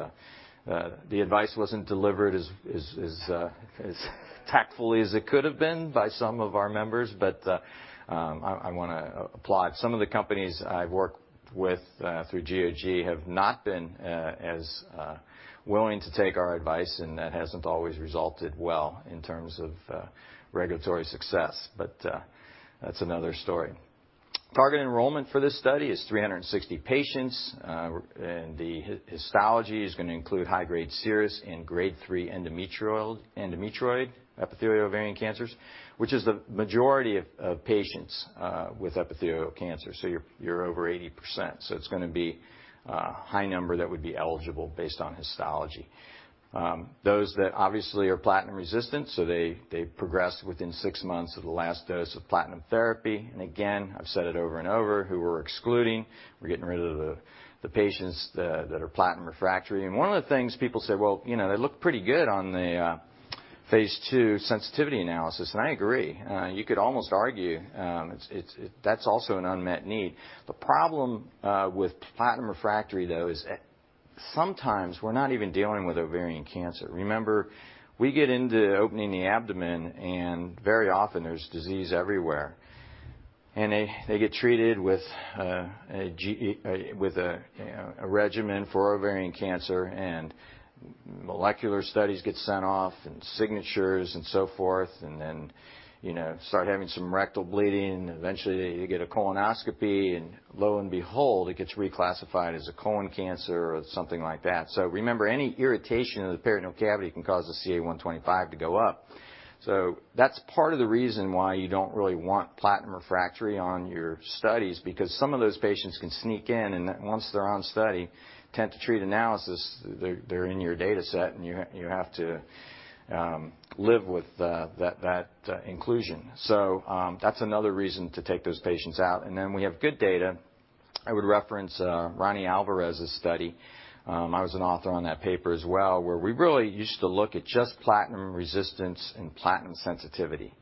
the advice wasn't delivered as tactfully as it could have been by some of our members. I wanna applaud. Some of the companies I've worked with through GOG have not been as willing to take our advice, and that hasn't always resulted well in terms of regulatory success, but that's another story. Target enrollment for this study is 360 patients. The histology is gonna include high-grade serous and grade 3 endometrioid epithelial ovarian cancers, which is the majority of patients with epithelial cancer. You're over 80%, so it's gonna be a high number that would be eligible based on histology. Those that obviously are platinum resistant, so they progressed within six months of the last dose of platinum therapy. Again, I've said it over and over, who we're excluding. We're getting rid of the patients that are platinum refractory. One of the things people say, "Well, you know, they look pretty good on the phase II sensitivity analysis," and I agree. You could almost argue, it's that's also an unmet need. The problem with platinum refractory, though, is, at times, we're not even dealing with ovarian cancer. Remember, we get into opening the abdomen and very often there's disease everywhere. They get treated with a regimen for ovarian cancer and molecular studies get sent off and signatures and so forth, and then, you know, start having some rectal bleeding. Eventually they get a colonoscopy and lo and behold, it gets reclassified as a colon cancer or something like that. Remember, any irritation of the peritoneal cavity can cause a CA-125 to go up. That's part of the reason why you don't really want platinum refractory on your studies because some of those patients can sneak in, and then once they're on study, intent-to-treat analysis, they're in your data set and you have to live with that inclusion. That's another reason to take those patients out. We have good data. I would reference Ronnie Alvarez's study, I was an author on that paper as well, where we really used to look at just platinum resistance and platinum sensitivity.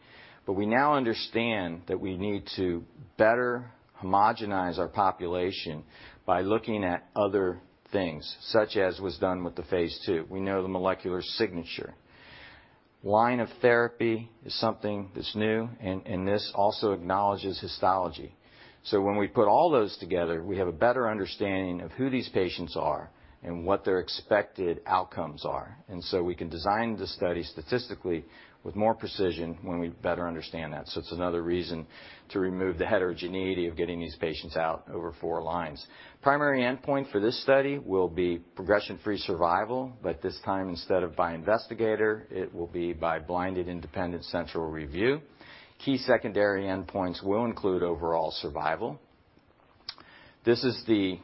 We now understand that we need to better homogenize our population by looking at other things such as was done with the phase II. We know the molecular signature. Line of therapy is something that's new and this also acknowledges histology. When we put all those together, we have a better understanding of who these patients are and what their expected outcomes are. We can design the study statistically with more precision when we better understand that. It's another reason to remove the heterogeneity of getting these patients out over four lines. Primary endpoint for this study will be progression-free survival, but this time, instead of by investigator, it will be by blinded independent central review. Key secondary endpoints will include overall survival. This is the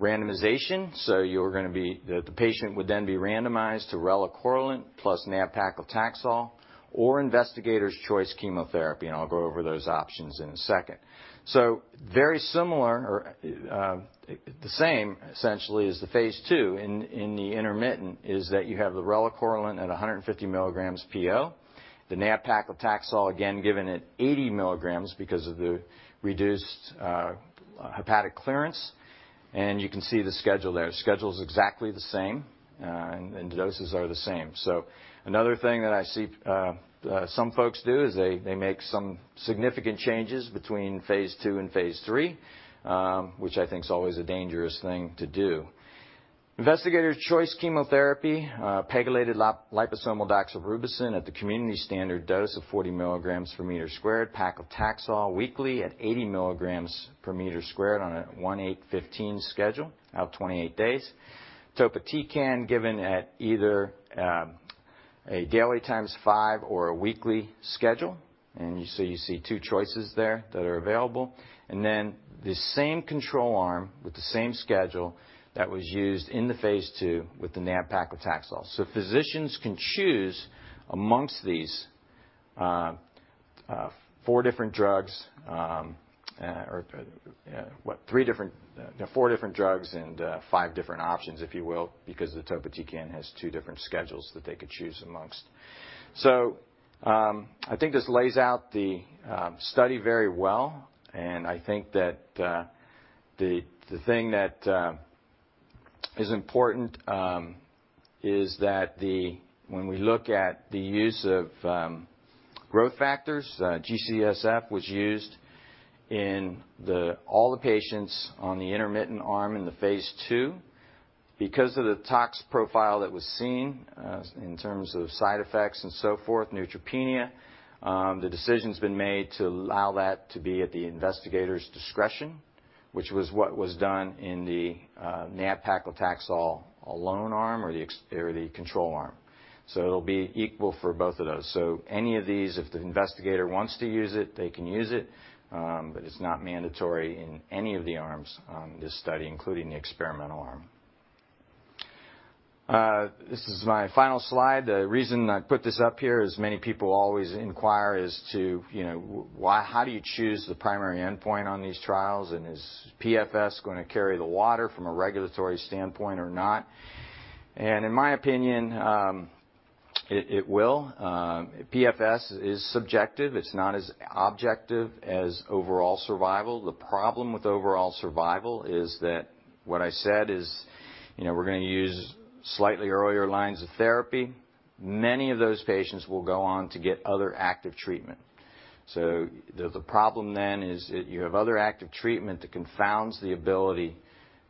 randomization. The patient would then be randomized to relacorilant plus nab-paclitaxel or investigator's choice chemotherapy, and I'll go over those options in a second. Very similar the same essentially as the phase II in the intermittent is that you have the relacorilant at 150 milligrams PO. The nab-paclitaxel again given at 80 mg because of the reduced hepatic clearance. You can see the schedule there. Schedule's exactly the same, and doses are the same. Another thing that I see some folks do is they make some significant changes between phase II and phase III, which I think is always a dangerous thing to do. Investigator's choice chemotherapy, pegylated liposomal doxorubicin at the community standard dose of 40 mg/m², paclitaxel weekly at 80 mg/m² on a 1, 8, 15 schedule every 28 days. Topotecan given at either a daily ×5 or a weekly schedule. You see two choices there that are available. Then the same control arm with the same schedule that was used in the phase II with the nab-paclitaxel. Physicians can choose amongst these four different drugs and five different options, if you will, because the topotecan has two different schedules that they could choose amongst. I think this lays out the study very well, and I think that the thing that is important is that when we look at the use of growth factors, GCSF was used in all the patients on the intermittent arm in the phase II. Because of the tox profile that was seen in terms of side effects and so forth, neutropenia, the decision's been made to allow that to be at the investigator's discretion, which was what was done in the nab-paclitaxel alone arm or the control arm. It'll be equal for both of those. Any of these, if the investigator wants to use it, they can use it, but it's not mandatory in any of the arms on this study, including the experimental arm. This is my final slide. The reason I put this up here is many people always inquire as to why, how do you choose the primary endpoint on these trials, and is PFS gonna carry the water from a regulatory standpoint or not? In my opinion, it will. PFS is subjective. It's not as objective as overall survival. The problem with overall survival is that what I said is, we're gonna use slightly earlier lines of therapy. Many of those patients will go on to get other active treatment. The problem then is that you have other active treatment that confounds the ability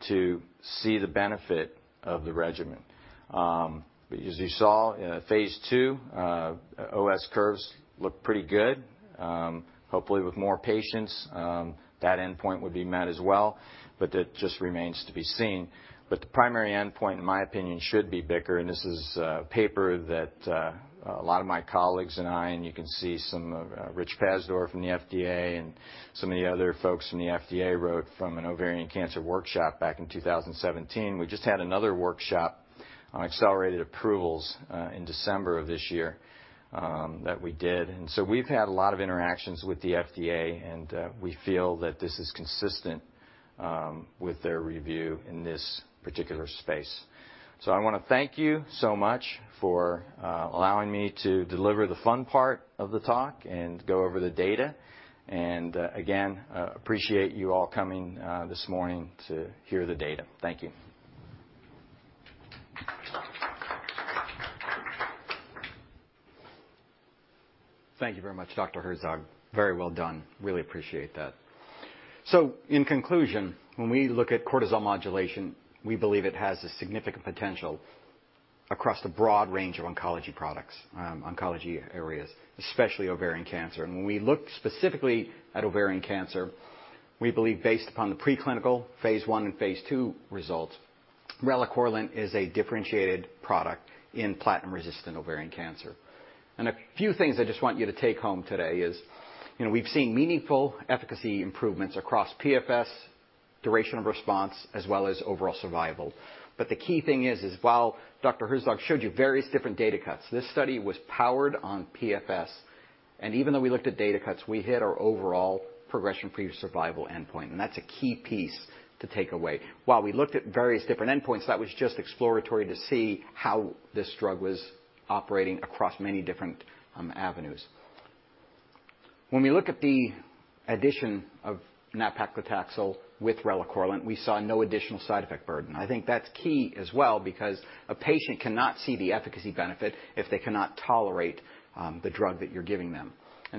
to see the benefit of the regimen. As you saw in our phase II, OS curves looked pretty good. Hopefully with more patients, that endpoint would be met as well, but that just remains to be seen. The primary endpoint, in my opinion, should be BICR, and this is a paper that a lot of my colleagues and I, and you can see some of Rich Pazdur from the FDA and some of the other folks from the FDA wrote from an ovarian cancer workshop back in 2017. We just had another workshop on accelerated approvals in December of this year that we did. We've had a lot of interactions with the FDA, and we feel that this is consistent with their review in this particular space. I wanna thank you so much for allowing me to deliver the fun part of the talk and go over the data. I appreciate you all coming this morning to hear the data. Thank you. Thank you very much, Dr. Herzog. Very well done. Really appreciate that. In conclusion, when we look at cortisol modulation, we believe it has a significant potential across the broad range of oncology products, oncology areas, especially ovarian cancer. When we look specifically at ovarian cancer, we believe based upon the preclinical phase I and phase II results, relacorilant is a differentiated product in platinum-resistant ovarian cancer. A few things I just want you to take home today is, you know, we've seen meaningful efficacy improvements across PFS, duration of response, as well as overall survival. The key thing is while Dr. Herzog showed you various different data cuts, this study was powered on PFS, and even though we looked at data cuts, we hit our overall progression-free survival endpoint, and that's a key piece to take away. While we looked at various different endpoints, that was just exploratory to see how this drug was operating across many different avenues. When we look at the addition of nab-paclitaxel with relacorilant, we saw no additional side effect burden. I think that's key as well because a patient cannot see the efficacy benefit if they cannot tolerate the drug that you're giving them.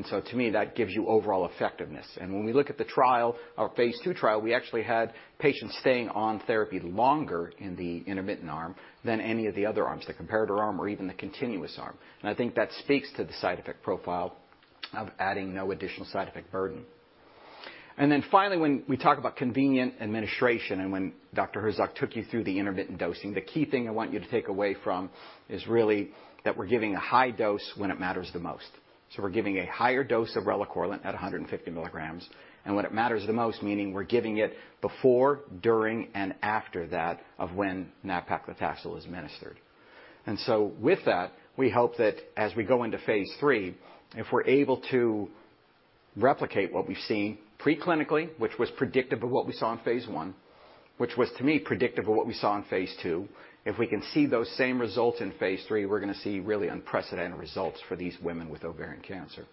To me, that gives you overall effectiveness. When we look at the trial or phase II trial, we actually had patients staying on therapy longer in the intermittent arm than any of the other arms, the comparator arm or even the continuous arm. I think that speaks to the side effect profile of adding no additional side effect burden. Finally, when we talk about convenient administration, and when Dr. Herzog took you through the intermittent dosing. The key thing I want you to take away from is really that we're giving a high dose when it matters the most. We're giving a higher dose of relacorilant at 150 milligrams. When it matters the most, meaning we're giving it before, during, and after that of when nab-paclitaxel is administered. With that, we hope that as we go into phase III, if we're able to replicate what we've seen preclinically, which was predictive of what we saw in phase I, which was to me predictive of what we saw in phase II, if we can see those same results in phase III, we're gonna see really unprecedented results for these women with ovarian cancer.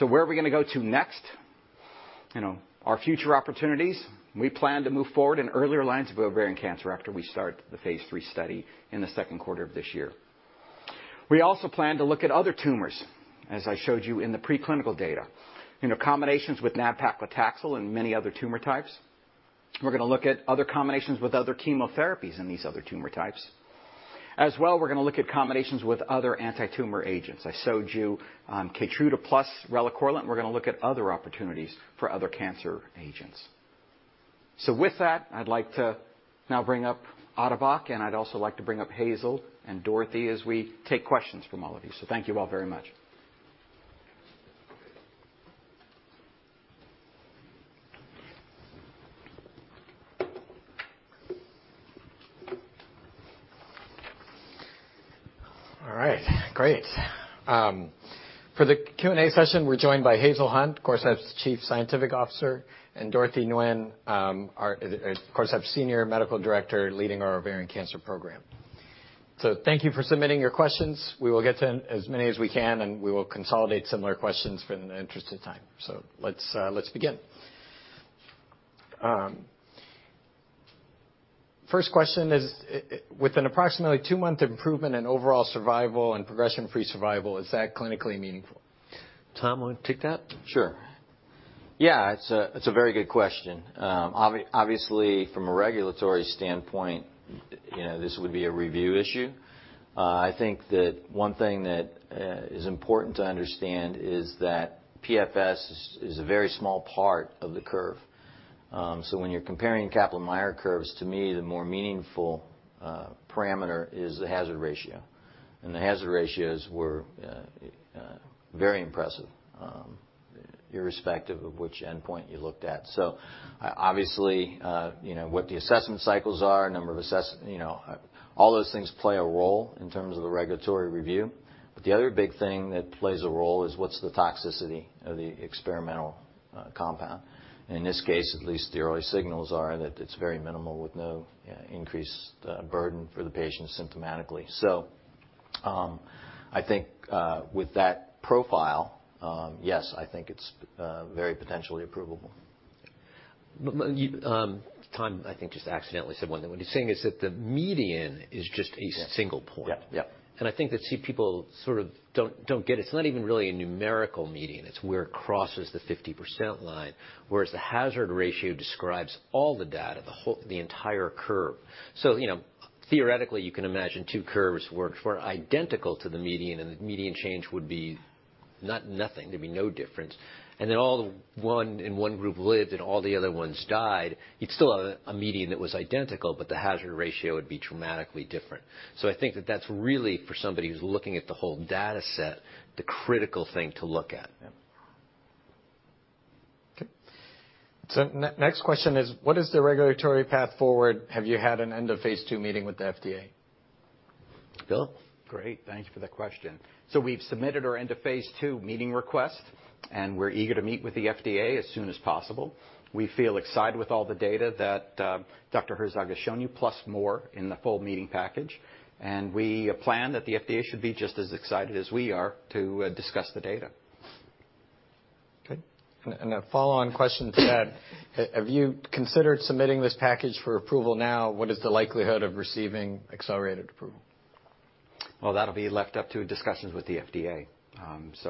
Where are we gonna go to next? You know, our future opportunities, we plan to move forward in earlier lines of ovarian cancer after we start the phase III study in the second quarter of this year. We also plan to look at other tumors, as I showed you in the preclinical data. You know, combinations with nab-paclitaxel and many other tumor types. We're gonna look at other combinations with other chemotherapies in these other tumor types. As well, we're gonna look at combinations with other anti-tumor agents. I showed you Keytruda plus relacorilant. We're gonna look at other opportunities for other cancer agents. With that, I'd like to now bring up Atabak, and I'd also like to bring up Hazel and Dorothy as we take questions from all of you. Thank you all very much. All right. Great. For the Q&A session, we're joined by Hazel Hunt, Corcept's Chief Scientific Officer, and Dorothy Nguyen, Corcept's Senior Medical Director leading our ovarian cancer program. Thank you for submitting your questions. We will get to as many as we can, and we will consolidate similar questions in the interest of time. Let's begin. First question is, with an approximately 2-month improvement in overall survival and progression-free survival, is that clinically meaningful? Tom, wanna take that? Sure. Yeah, it's a very good question. Obviously, from a regulatory standpoint, you know, this would be a review issue. I think that one thing that is important to understand is that PFS is a very small part of the curve. When you're comparing Kaplan-Meier curves, to me, the more meaningful parameter is the hazard ratio. The hazard ratios were very impressive irrespective of which endpoint you looked at. Obviously, you know, what the assessment cycles are, number of assessments you know, all those things play a role in terms of the regulatory review. The other big thing that plays a role is what's the toxicity of the experimental compound. In this case, at least the early signals are that it's very minimal with no increased burden for the patient symptomatically. I think with that profile, yes, I think it's very potentially approvable. You, Tom, I think, just accidentally said one thing. What he's saying is that the median is just a single point. Yeah. Yeah. I think that, see, people sort of don't get it. It's not even really a numerical median. It's where it crosses the 50% line, whereas the hazard ratio describes all the data, the entire curve. You know, theoretically, you can imagine two curves were identical to the median, and the median change would be not nothing, there'd be no difference. Then one in one group lived and all the other ones died, you'd still have a median that was identical, but the hazard ratio would be dramatically different. I think that that's really, for somebody who's looking at the whole data set, the critical thing to look at. Yeah. Next question is, what is the regulatory path forward? Have you had an end of phase II meeting with the FDA? Bill? Great. Thank you for that question. We've submitted our end of phase II meeting request, and we're eager to meet with the FDA as soon as possible. We feel excited with all the data that Dr. Herzog has shown you, plus more in the full meeting package. We plan that the FDA should be just as excited as we are to discuss the data. Okay. A follow-on question to that. Have you considered submitting this package for approval now? What is the likelihood of receiving accelerated approval? Well, that'll be left up to discussions with the FDA.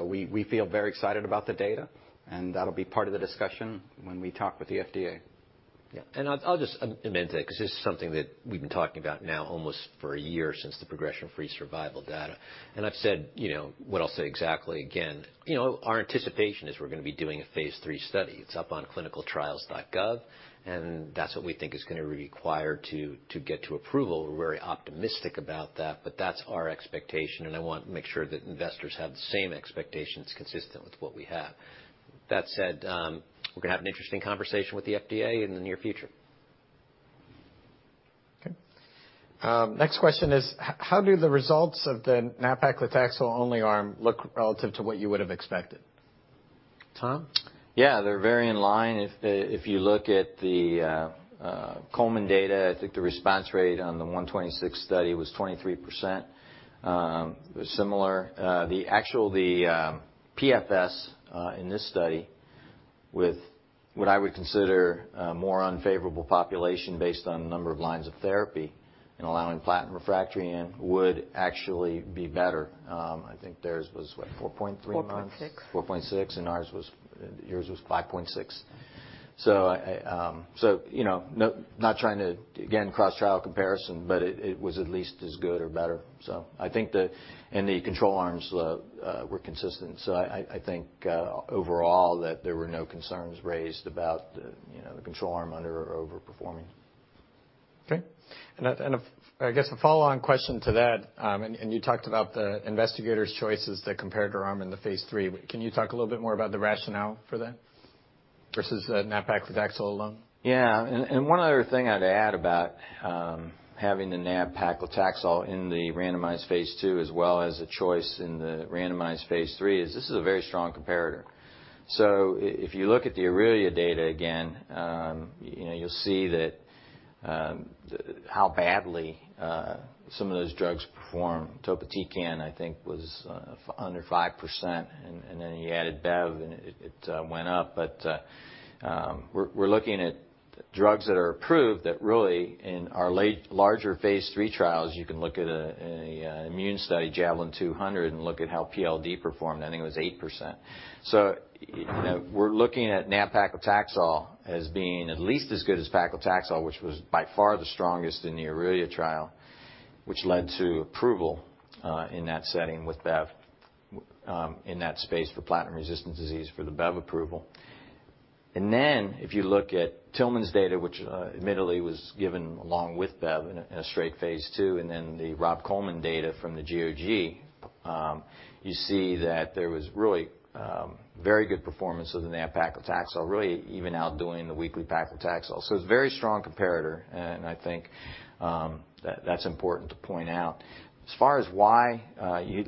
We feel very excited about the data, and that'll be part of the discussion when we talk with the FDA. Yeah. I'll just amend that because this is something that we've been talking about now almost for a year since the progression-free survival data. I've said, you know, what I'll say exactly again, you know, our anticipation is we're gonna be doing a phase III study. It's up on clinicaltrials.gov, and that's what we think is gonna be required to get to approval. We're very optimistic about that, but that's our expectation, and I want to make sure that investors have the same expectations consistent with what we have. That said, we're gonna have an interesting conversation with the FDA in the near future. Okay. Next question is how do the results of the nab-paclitaxel only arm look relative to what you would have expected? Tom? Yeah. They're very in line. If you look at the Coleman data, I think the response rate on the 126 study was 23%. The PFS in this study with what I would consider a more unfavorable population based on the number of lines of therapy and allowing platinum refractory in would actually be better. I think theirs was 4.3 months? 4.6. 4.6, and ours was. Yours was 5.6. You know, not trying to again cross-trial comparison, but it was at least as good or better. I think the control arms were consistent. I think overall that there were no concerns raised about the, you know, the control arm under or overperforming. Okay. I guess a follow-on question to that, and you talked about the investigators' choices that compared to arm in the phase III. Can you talk a little bit more about the rationale for that versus the nab-paclitaxel alone? One other thing I'd add about having the nab-paclitaxel in the randomized phase II as well as a choice in the randomized phase III is this is a very strong comparator. If you look at the AURELIA data again, you know, you'll see that how badly some of those drugs perform. Topotecan, I think, was under 5%, and then you added Bev, and it went up. We're looking at drugs that are approved that really in our larger phase III trials, you can look at a immune study, JAVELIN Ovarian 200, and look at how PLD performed. I think it was 8%. You know, we're looking at nab-paclitaxel as being at least as good as paclitaxel, which was by far the strongest in the AURELIA trial, which led to approval in that setting with Bev in that space for platinum-resistant disease for the Bev approval. Then if you look at Teneriello's data, which admittedly was given along with Bev in a straight phase II, and then the Robert L. Coleman data from the GOG, you see that there was really very good performance of the nab-paclitaxel, really even outdoing the weekly paclitaxel. It's a very strong comparator, and I think that that's important to point out. As far as why you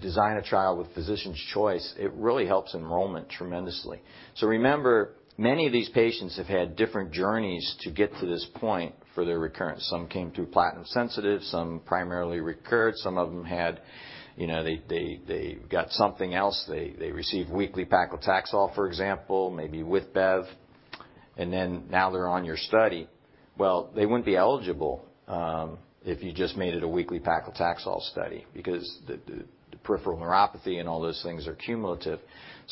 design a trial with physician's choice, it really helps enrollment tremendously. Remember, many of these patients have had different journeys to get to this point for their recurrence. Some came through platinum sensitive, some primarily recurred, some of them had, you know, they got something else. They received weekly paclitaxel, for example, maybe with Bev. Then now they're on your study. Well, they wouldn't be eligible if you just made it a weekly paclitaxel study because the peripheral neuropathy and all those things are cumulative.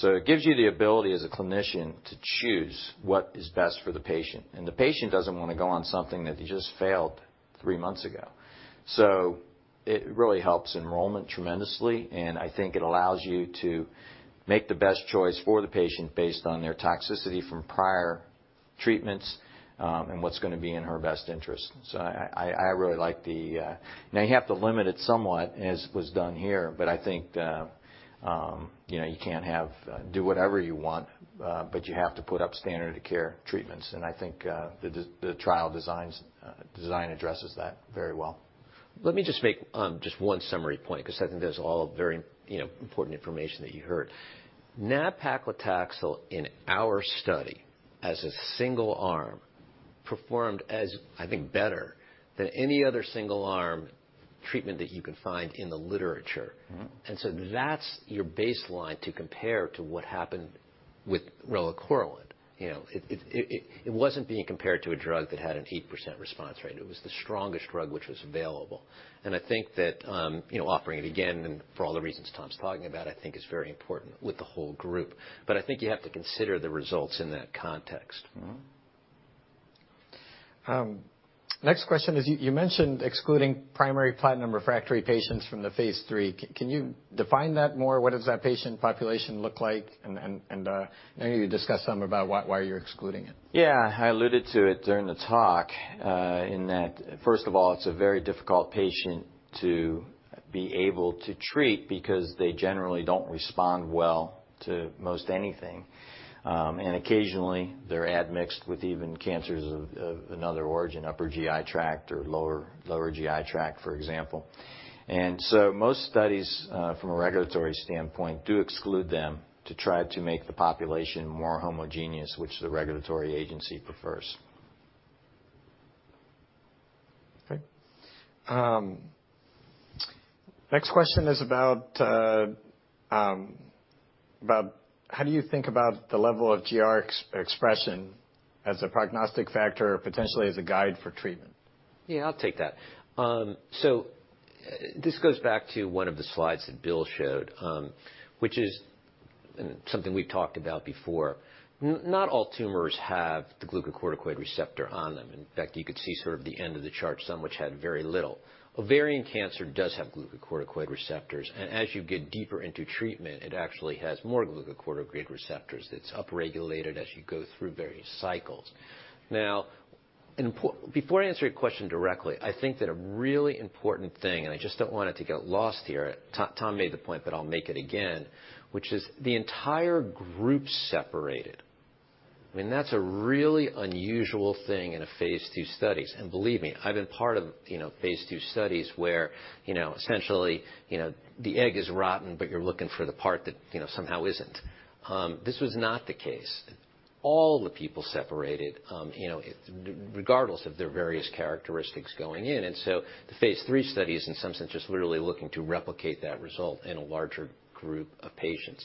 It gives you the ability as a clinician to choose what is best for the patient, and the patient doesn't wanna go on something that they just failed three months ago. It really helps enrollment tremendously, and I think it allows you to make the best choice for the patient based on their toxicity from prior treatments, and what's gonna be in her best interest. I really like the Now you have to limit it somewhat as was done here, but I think, you know, you can't have do whatever you want, but you have to put up standard of care treatments. I think the trial design addresses that very well. Let me just make just one summary point because I think that's all very, you know, important information that you heard. Nab-paclitaxel in our study as a single arm performed as, I think, better than any other single arm treatment that you can find in the literature. Mm-hmm. That's your baseline to compare to what happened with relacorilant. It wasn't being compared to a drug that had an 8% response rate. It was the strongest drug which was available. I think that offering it again and for all the reasons Tom's talking about, I think is very important with the whole group. I think you have to consider the results in that context. Mm-hmm. Next question is, you mentioned excluding primary platinum refractory patients from the phase III. Can you define that more? What does that patient population look like? Maybe discuss something about why you're excluding it. Yeah. I alluded to it during the talk, in that, first of all, it's a very difficult patient to be able to treat because they generally don't respond well to most anything. Occasionally, they're admixed with even cancers of another origin, upper GI tract or lower GI tract, for example. Most studies from a regulatory standpoint do exclude them to try to make the population more homogeneous, which the regulatory agency prefers. Next question is about how do you think about the level of GR expression as a prognostic factor or potentially as a guide for treatment? Yeah, I'll take that. So this goes back to one of the slides that Bill showed, which is something we've talked about before. Not all tumors have the glucocorticoid receptor on them. In fact, you could see sort of the end of the chart, some which had very little. Ovarian cancer does have glucocorticoid receptors, and as you get deeper into treatment, it actually has more glucocorticoid receptors that's upregulated as you go through various cycles. Now, before I answer your question directly, I think that a really important thing, and I just don't want it to get lost here. Tom made the point, but I'll make it again, which is the entire group separated. I mean, that's a really unusual thing in a phase II studies. Believe me, I've been part of, you know, phase II studies where, you know, essentially, you know, the egg is rotten, but you're looking for the part that, you know, somehow isn't. This was not the case. All the people separated, you know, regardless of their various characteristics going in. The phase III study is, in some sense, just literally looking to replicate that result in a larger group of patients.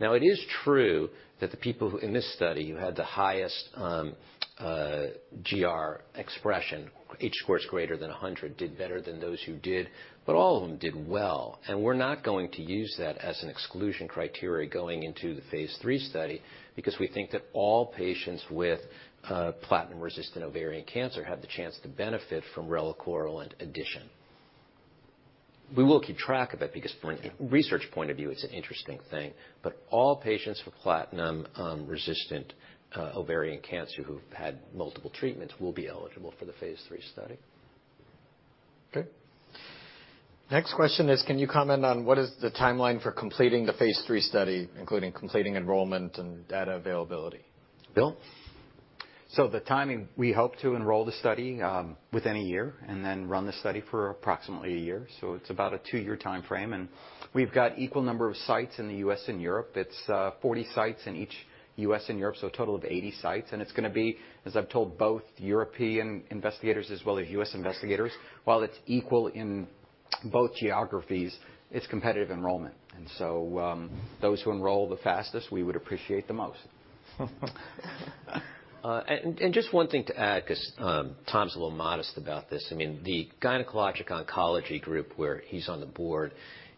Now, it is true that the people who, in this study, who had the highest GR expression, H-scores greater than 100, did better than those who did, but all of them did well. We're not going to use that as an exclusion criteria going into the phase III study because we think that all patients with platinum-resistant ovarian cancer have the chance to benefit from relacorilant addition. We will keep track of it because from a research point of view, it's an interesting thing. All patients with platinum resistant ovarian cancer who've had multiple treatments will be eligible for the phase III study. Okay. Next question is, can you comment on what is the timeline for completing the phase III study, including completing enrollment and data availability? Bill? The timing, we hope to enroll the study within a year and then run the study for approximately a year. It's about a two-year timeframe. We've got equal number of sites in the U.S. and Europe. It's 40 sites in each, U.S. and Europe, so a total of 80 sites. It's gonna be, as I've told both European investigators as well as U.S. investigators, while it's equal in both geographies, it's competitive enrollment. Those who enroll the fastest, we would appreciate the most. Just one thing to add, 'cause Tom's a little modest about this. I mean, the Gynecologic Oncology Group, where he's on the board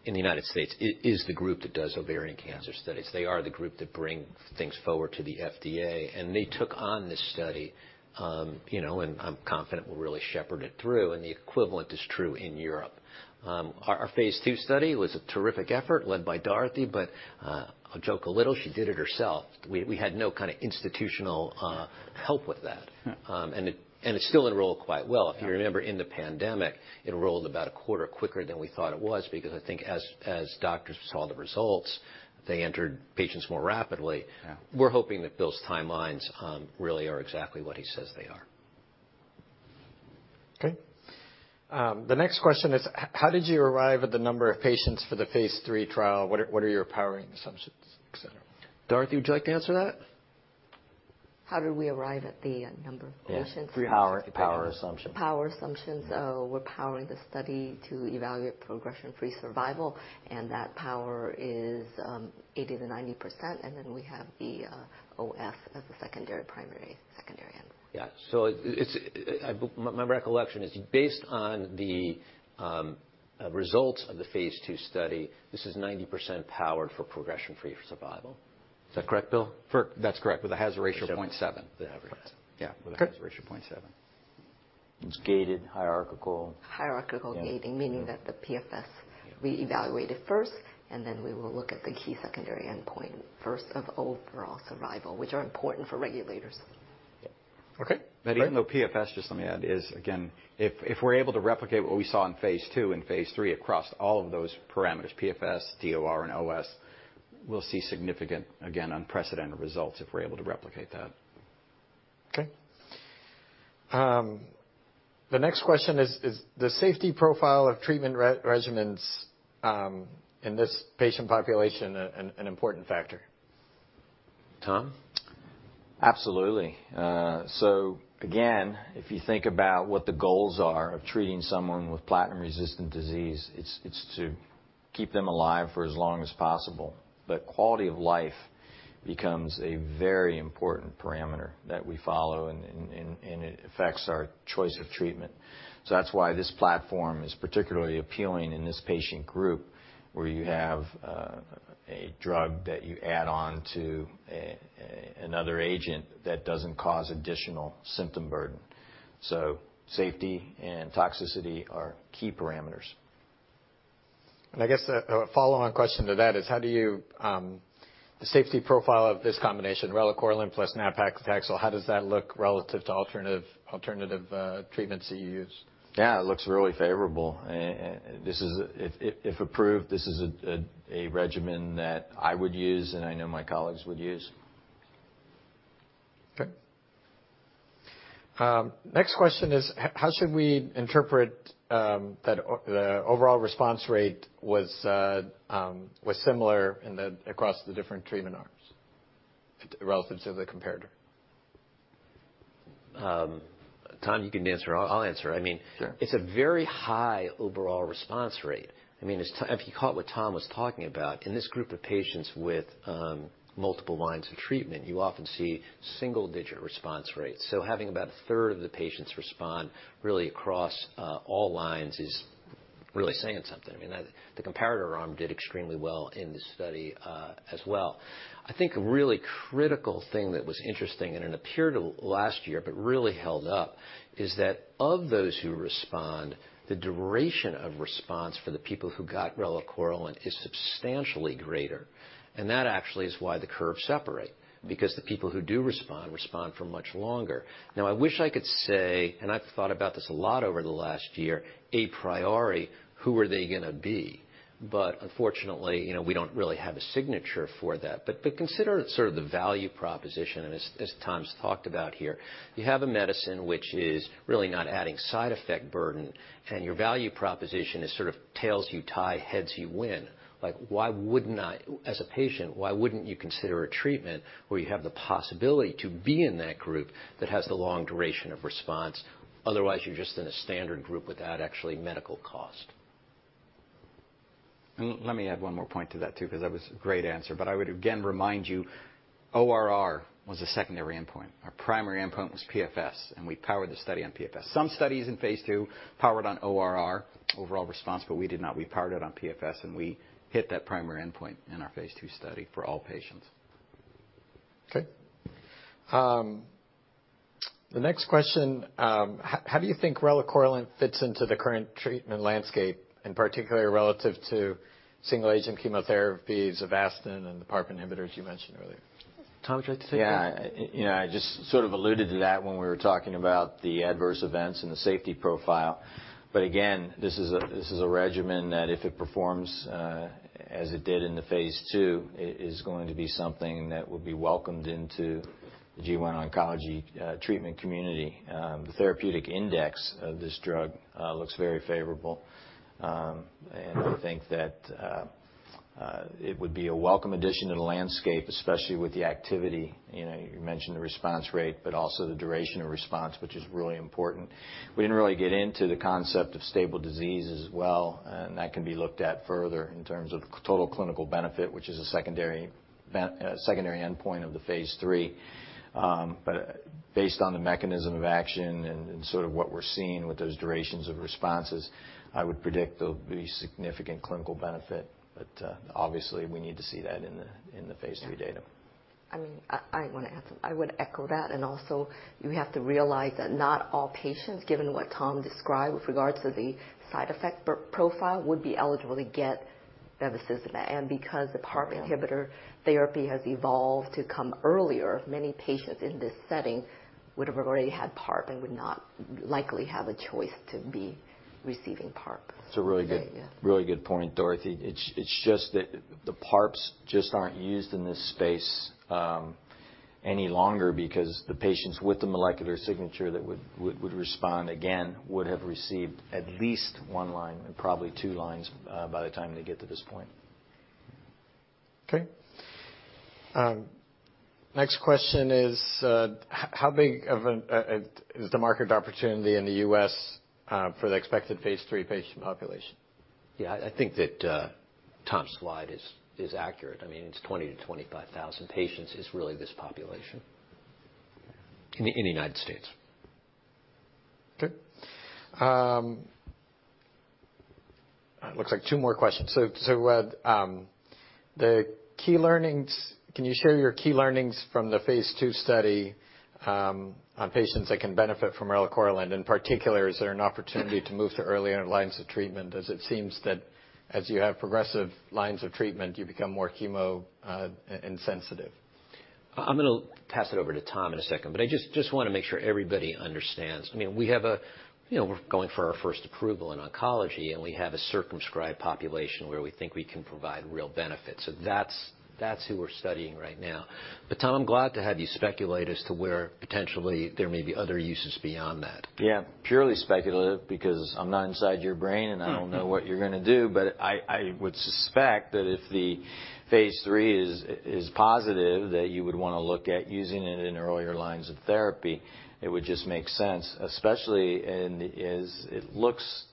in the United States, is the group that does ovarian cancer studies. They are the group that bring things forward to the FDA, and they took on this study, you know, and I'm confident will really shepherd it through, and the equivalent is true in Europe. Our phase II study was a terrific effort led by Dorothy, but I'll joke a little, she did it herself. We had no kind of institutional help with that. Yeah. It still enrolled quite well. If you remember in the pandemic, it enrolled about a quarter quicker than we thought it was because I think as doctors saw the results, they entered patients more rapidly. Yeah. We're hoping that Bill's timelines really are exactly what he says they are. Okay. The next question is, how did you arrive at the number of patients for the phase III trial? What are your powering assumptions, et cetera? Dorothy, would you like to answer that? How did we arrive at the number of patients? Yeah. 3 power assumption. Power assumptions. We're powering the study to evaluate progression-free survival, and that power is 80%-90%, and then we have the OS as a secondary endpoint. It's my recollection, based on the results of the phase II study, this is 90% powered for progression-free survival. Is that correct, Bill? That's correct. With a hazard ratio of 0.7. The average. Yeah. Okay. With a hazard ratio of 0.7. It's gated, hierarchical. Hierarchical gating, meaning that the PFS we evaluated first, and then we will look at the key secondary endpoint first of overall survival, which are important for regulators. Yeah. Okay. Even though PFS, just let me add, is again, if we're able to replicate what we saw in phase II and phase III across all of those parameters, PFS, DOR, and OS, we'll see significant, again, unprecedented results if we're able to replicate that. Okay. The next question is the safety profile of treatment regimens in this patient population an important factor? Tom? Absolutely. So again, if you think about what the goals are of treating someone with platinum-resistant disease, it's to keep them alive for as long as possible. Quality of life becomes a very important parameter that we follow, and it affects our choice of treatment. That's why this platform is particularly appealing in this patient group, where you have a drug that you add on to another agent that doesn't cause additional symptom burden. Safety and toxicity are key parameters. I guess a follow-on question to that is the safety profile of this combination, relacorilant plus nab-paclitaxel, how does that look relative to alternative treatments that you use? Yeah, it looks really favorable. This is, if approved, a regimen that I would use, and I know my colleagues would use. Okay. Next question is, how should we interpret that the overall response rate was similar across the different treatment arms relative to the comparator? Tom, you can answer or I'll answer. I mean. Sure. It's a very high overall response rate. I mean, it's tiny. If you caught what Tom was talking about, in this group of patients with multiple lines of treatment, you often see single-digit response rates. Having about a third of the patients respond really across all lines is really saying something. I mean, the comparator arm did extremely well in the study, as well. I think a really critical thing that was interesting, and it appeared last year but really held up, is that of those who respond, the duration of response for the people who got relacorilant is substantially greater. That actually is why the curves separate, because the people who do respond for much longer. Now, I wish I could say, and I've thought about this a lot over the last year, a priori, who are they gonna be? Unfortunately, you know, we don't really have a signature for that. Consider sort of the value proposition and as Tom's talked about here, you have a medicine which is really not adding side effect burden, and your value proposition is sort of tails you tie, heads you win. Like, why wouldn't I, as a patient, why wouldn't you consider a treatment where you have the possibility to be in that group that has the long duration of response? Otherwise, you're just in a standard group without actually medical cost. Let me add one more point to that too, 'cause that was a great answer. I would again remind you, ORR was a secondary endpoint. Our primary endpoint was PFS, and we powered the study on PFS. Some studies in phase II powered on ORR, overall response, but we did not. We powered it on PFS, and we hit that primary endpoint in our phase II study for all patients. Okay. The next question. How do you think relacorilant fits into the current treatment landscape, and particularly relative to single-agent chemotherapy, Avastin and the PARP inhibitors you mentioned earlier? Tom, would you like to take that? Yeah, I just sort of alluded to that when we were talking about the adverse events and the safety profile. Again, this is a regimen that if it performs as it did in the phase II, is going to be something that will be welcomed into the GYN oncology treatment community. The therapeutic index of this drug looks very favorable. I think that it would be a welcome addition to the landscape, especially with the activity. You know, you mentioned the response rate, but also the duration of response, which is really important. We didn't really get into the concept of stable disease as well, and that can be looked at further in terms of overall clinical benefit, which is a secondary endpoint of the phase III. Based on the mechanism of action and sort of what we're seeing with those durations of responses, I would predict there'll be significant clinical benefit. Obviously, we need to see that in the phase III data. I mean, I wanna add some. I would echo that, and also you have to realize that not all patients, given what Tom described with regards to the side effect profile, would be eligible to get bevacizumab. Because the PARP inhibitor therapy has evolved to come earlier, many patients in this setting would have already had PARP and would not likely have a choice to be receiving PARP. It's a really good- Yeah, yeah. Really good point, Dorothy. It's just that the PARPs just aren't used in this space any longer because the patients with the molecular signature that would respond, again, would have received at least one line and probably two lines by the time they get to this point. Okay. Next question is, how big is the market opportunity in the U.S., for the expected phase III patient population? Yeah. I think that, Tom's slide is accurate. I mean, it's 20-25,000 patients is really this population in the United States. Okay. Looks like two more questions. The key learnings. Can you share your key learnings from the phase II study on patients that can benefit from relacorilant? In particular, is there an opportunity to move to earlier lines of treatment as it seems that as you have progressive lines of treatment, you become more chemo insensitive? I'm gonna pass it over to Tom in a second, but I just wanna make sure everybody understands. I mean, you know, we're going for our first approval in oncology, and we have a circumscribed population where we think we can provide real benefit. That's who we're studying right now. Tom, glad to have you speculate as to where potentially there may be other uses beyond that. Yeah. Purely speculative because I'm not inside your brain, and I don't know what you're gonna do, but I would suspect that if the phase III is positive, that you would wanna look at using it in earlier lines of therapy. It would just make sense, especially as it looks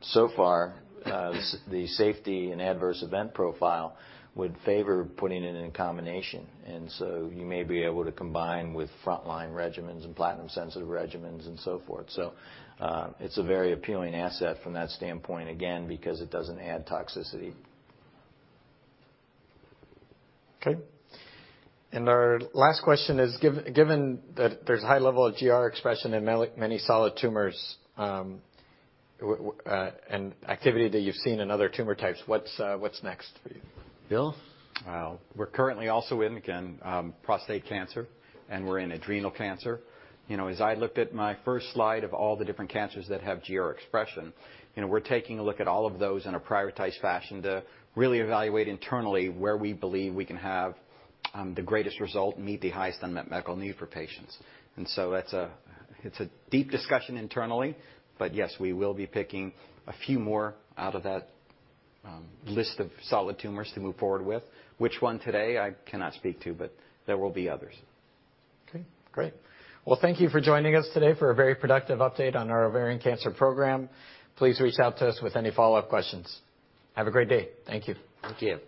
so far, the safety and adverse event profile would favor putting it in combination. You may be able to combine with frontline regimens and platinum sensitive regimens and so forth. It's a very appealing asset from that standpoint, again, because it doesn't add toxicity. Okay. Our last question is: Given that there's a high level of GR expression in many solid tumors, and activity that you've seen in other tumor types, what's next for you? Bill? Well, we're currently also in, again, prostate cancer, and we're in adrenal cancer. You know, as I looked at my first slide of all the different cancers that have GR expression, you know, we're taking a look at all of those in a prioritized fashion to really evaluate internally where we believe we can have the greatest result and meet the highest unmet medical need for patients. It's a deep discussion internally, but yes, we will be picking a few more out of that list of solid tumors to move forward with. Which one today, I cannot speak to, but there will be others. Okay. Great. Well, thank you for joining us today for a very productive update on our ovarian cancer program. Please reach out to us with any follow-up questions. Have a great day. Thank you. Thank you.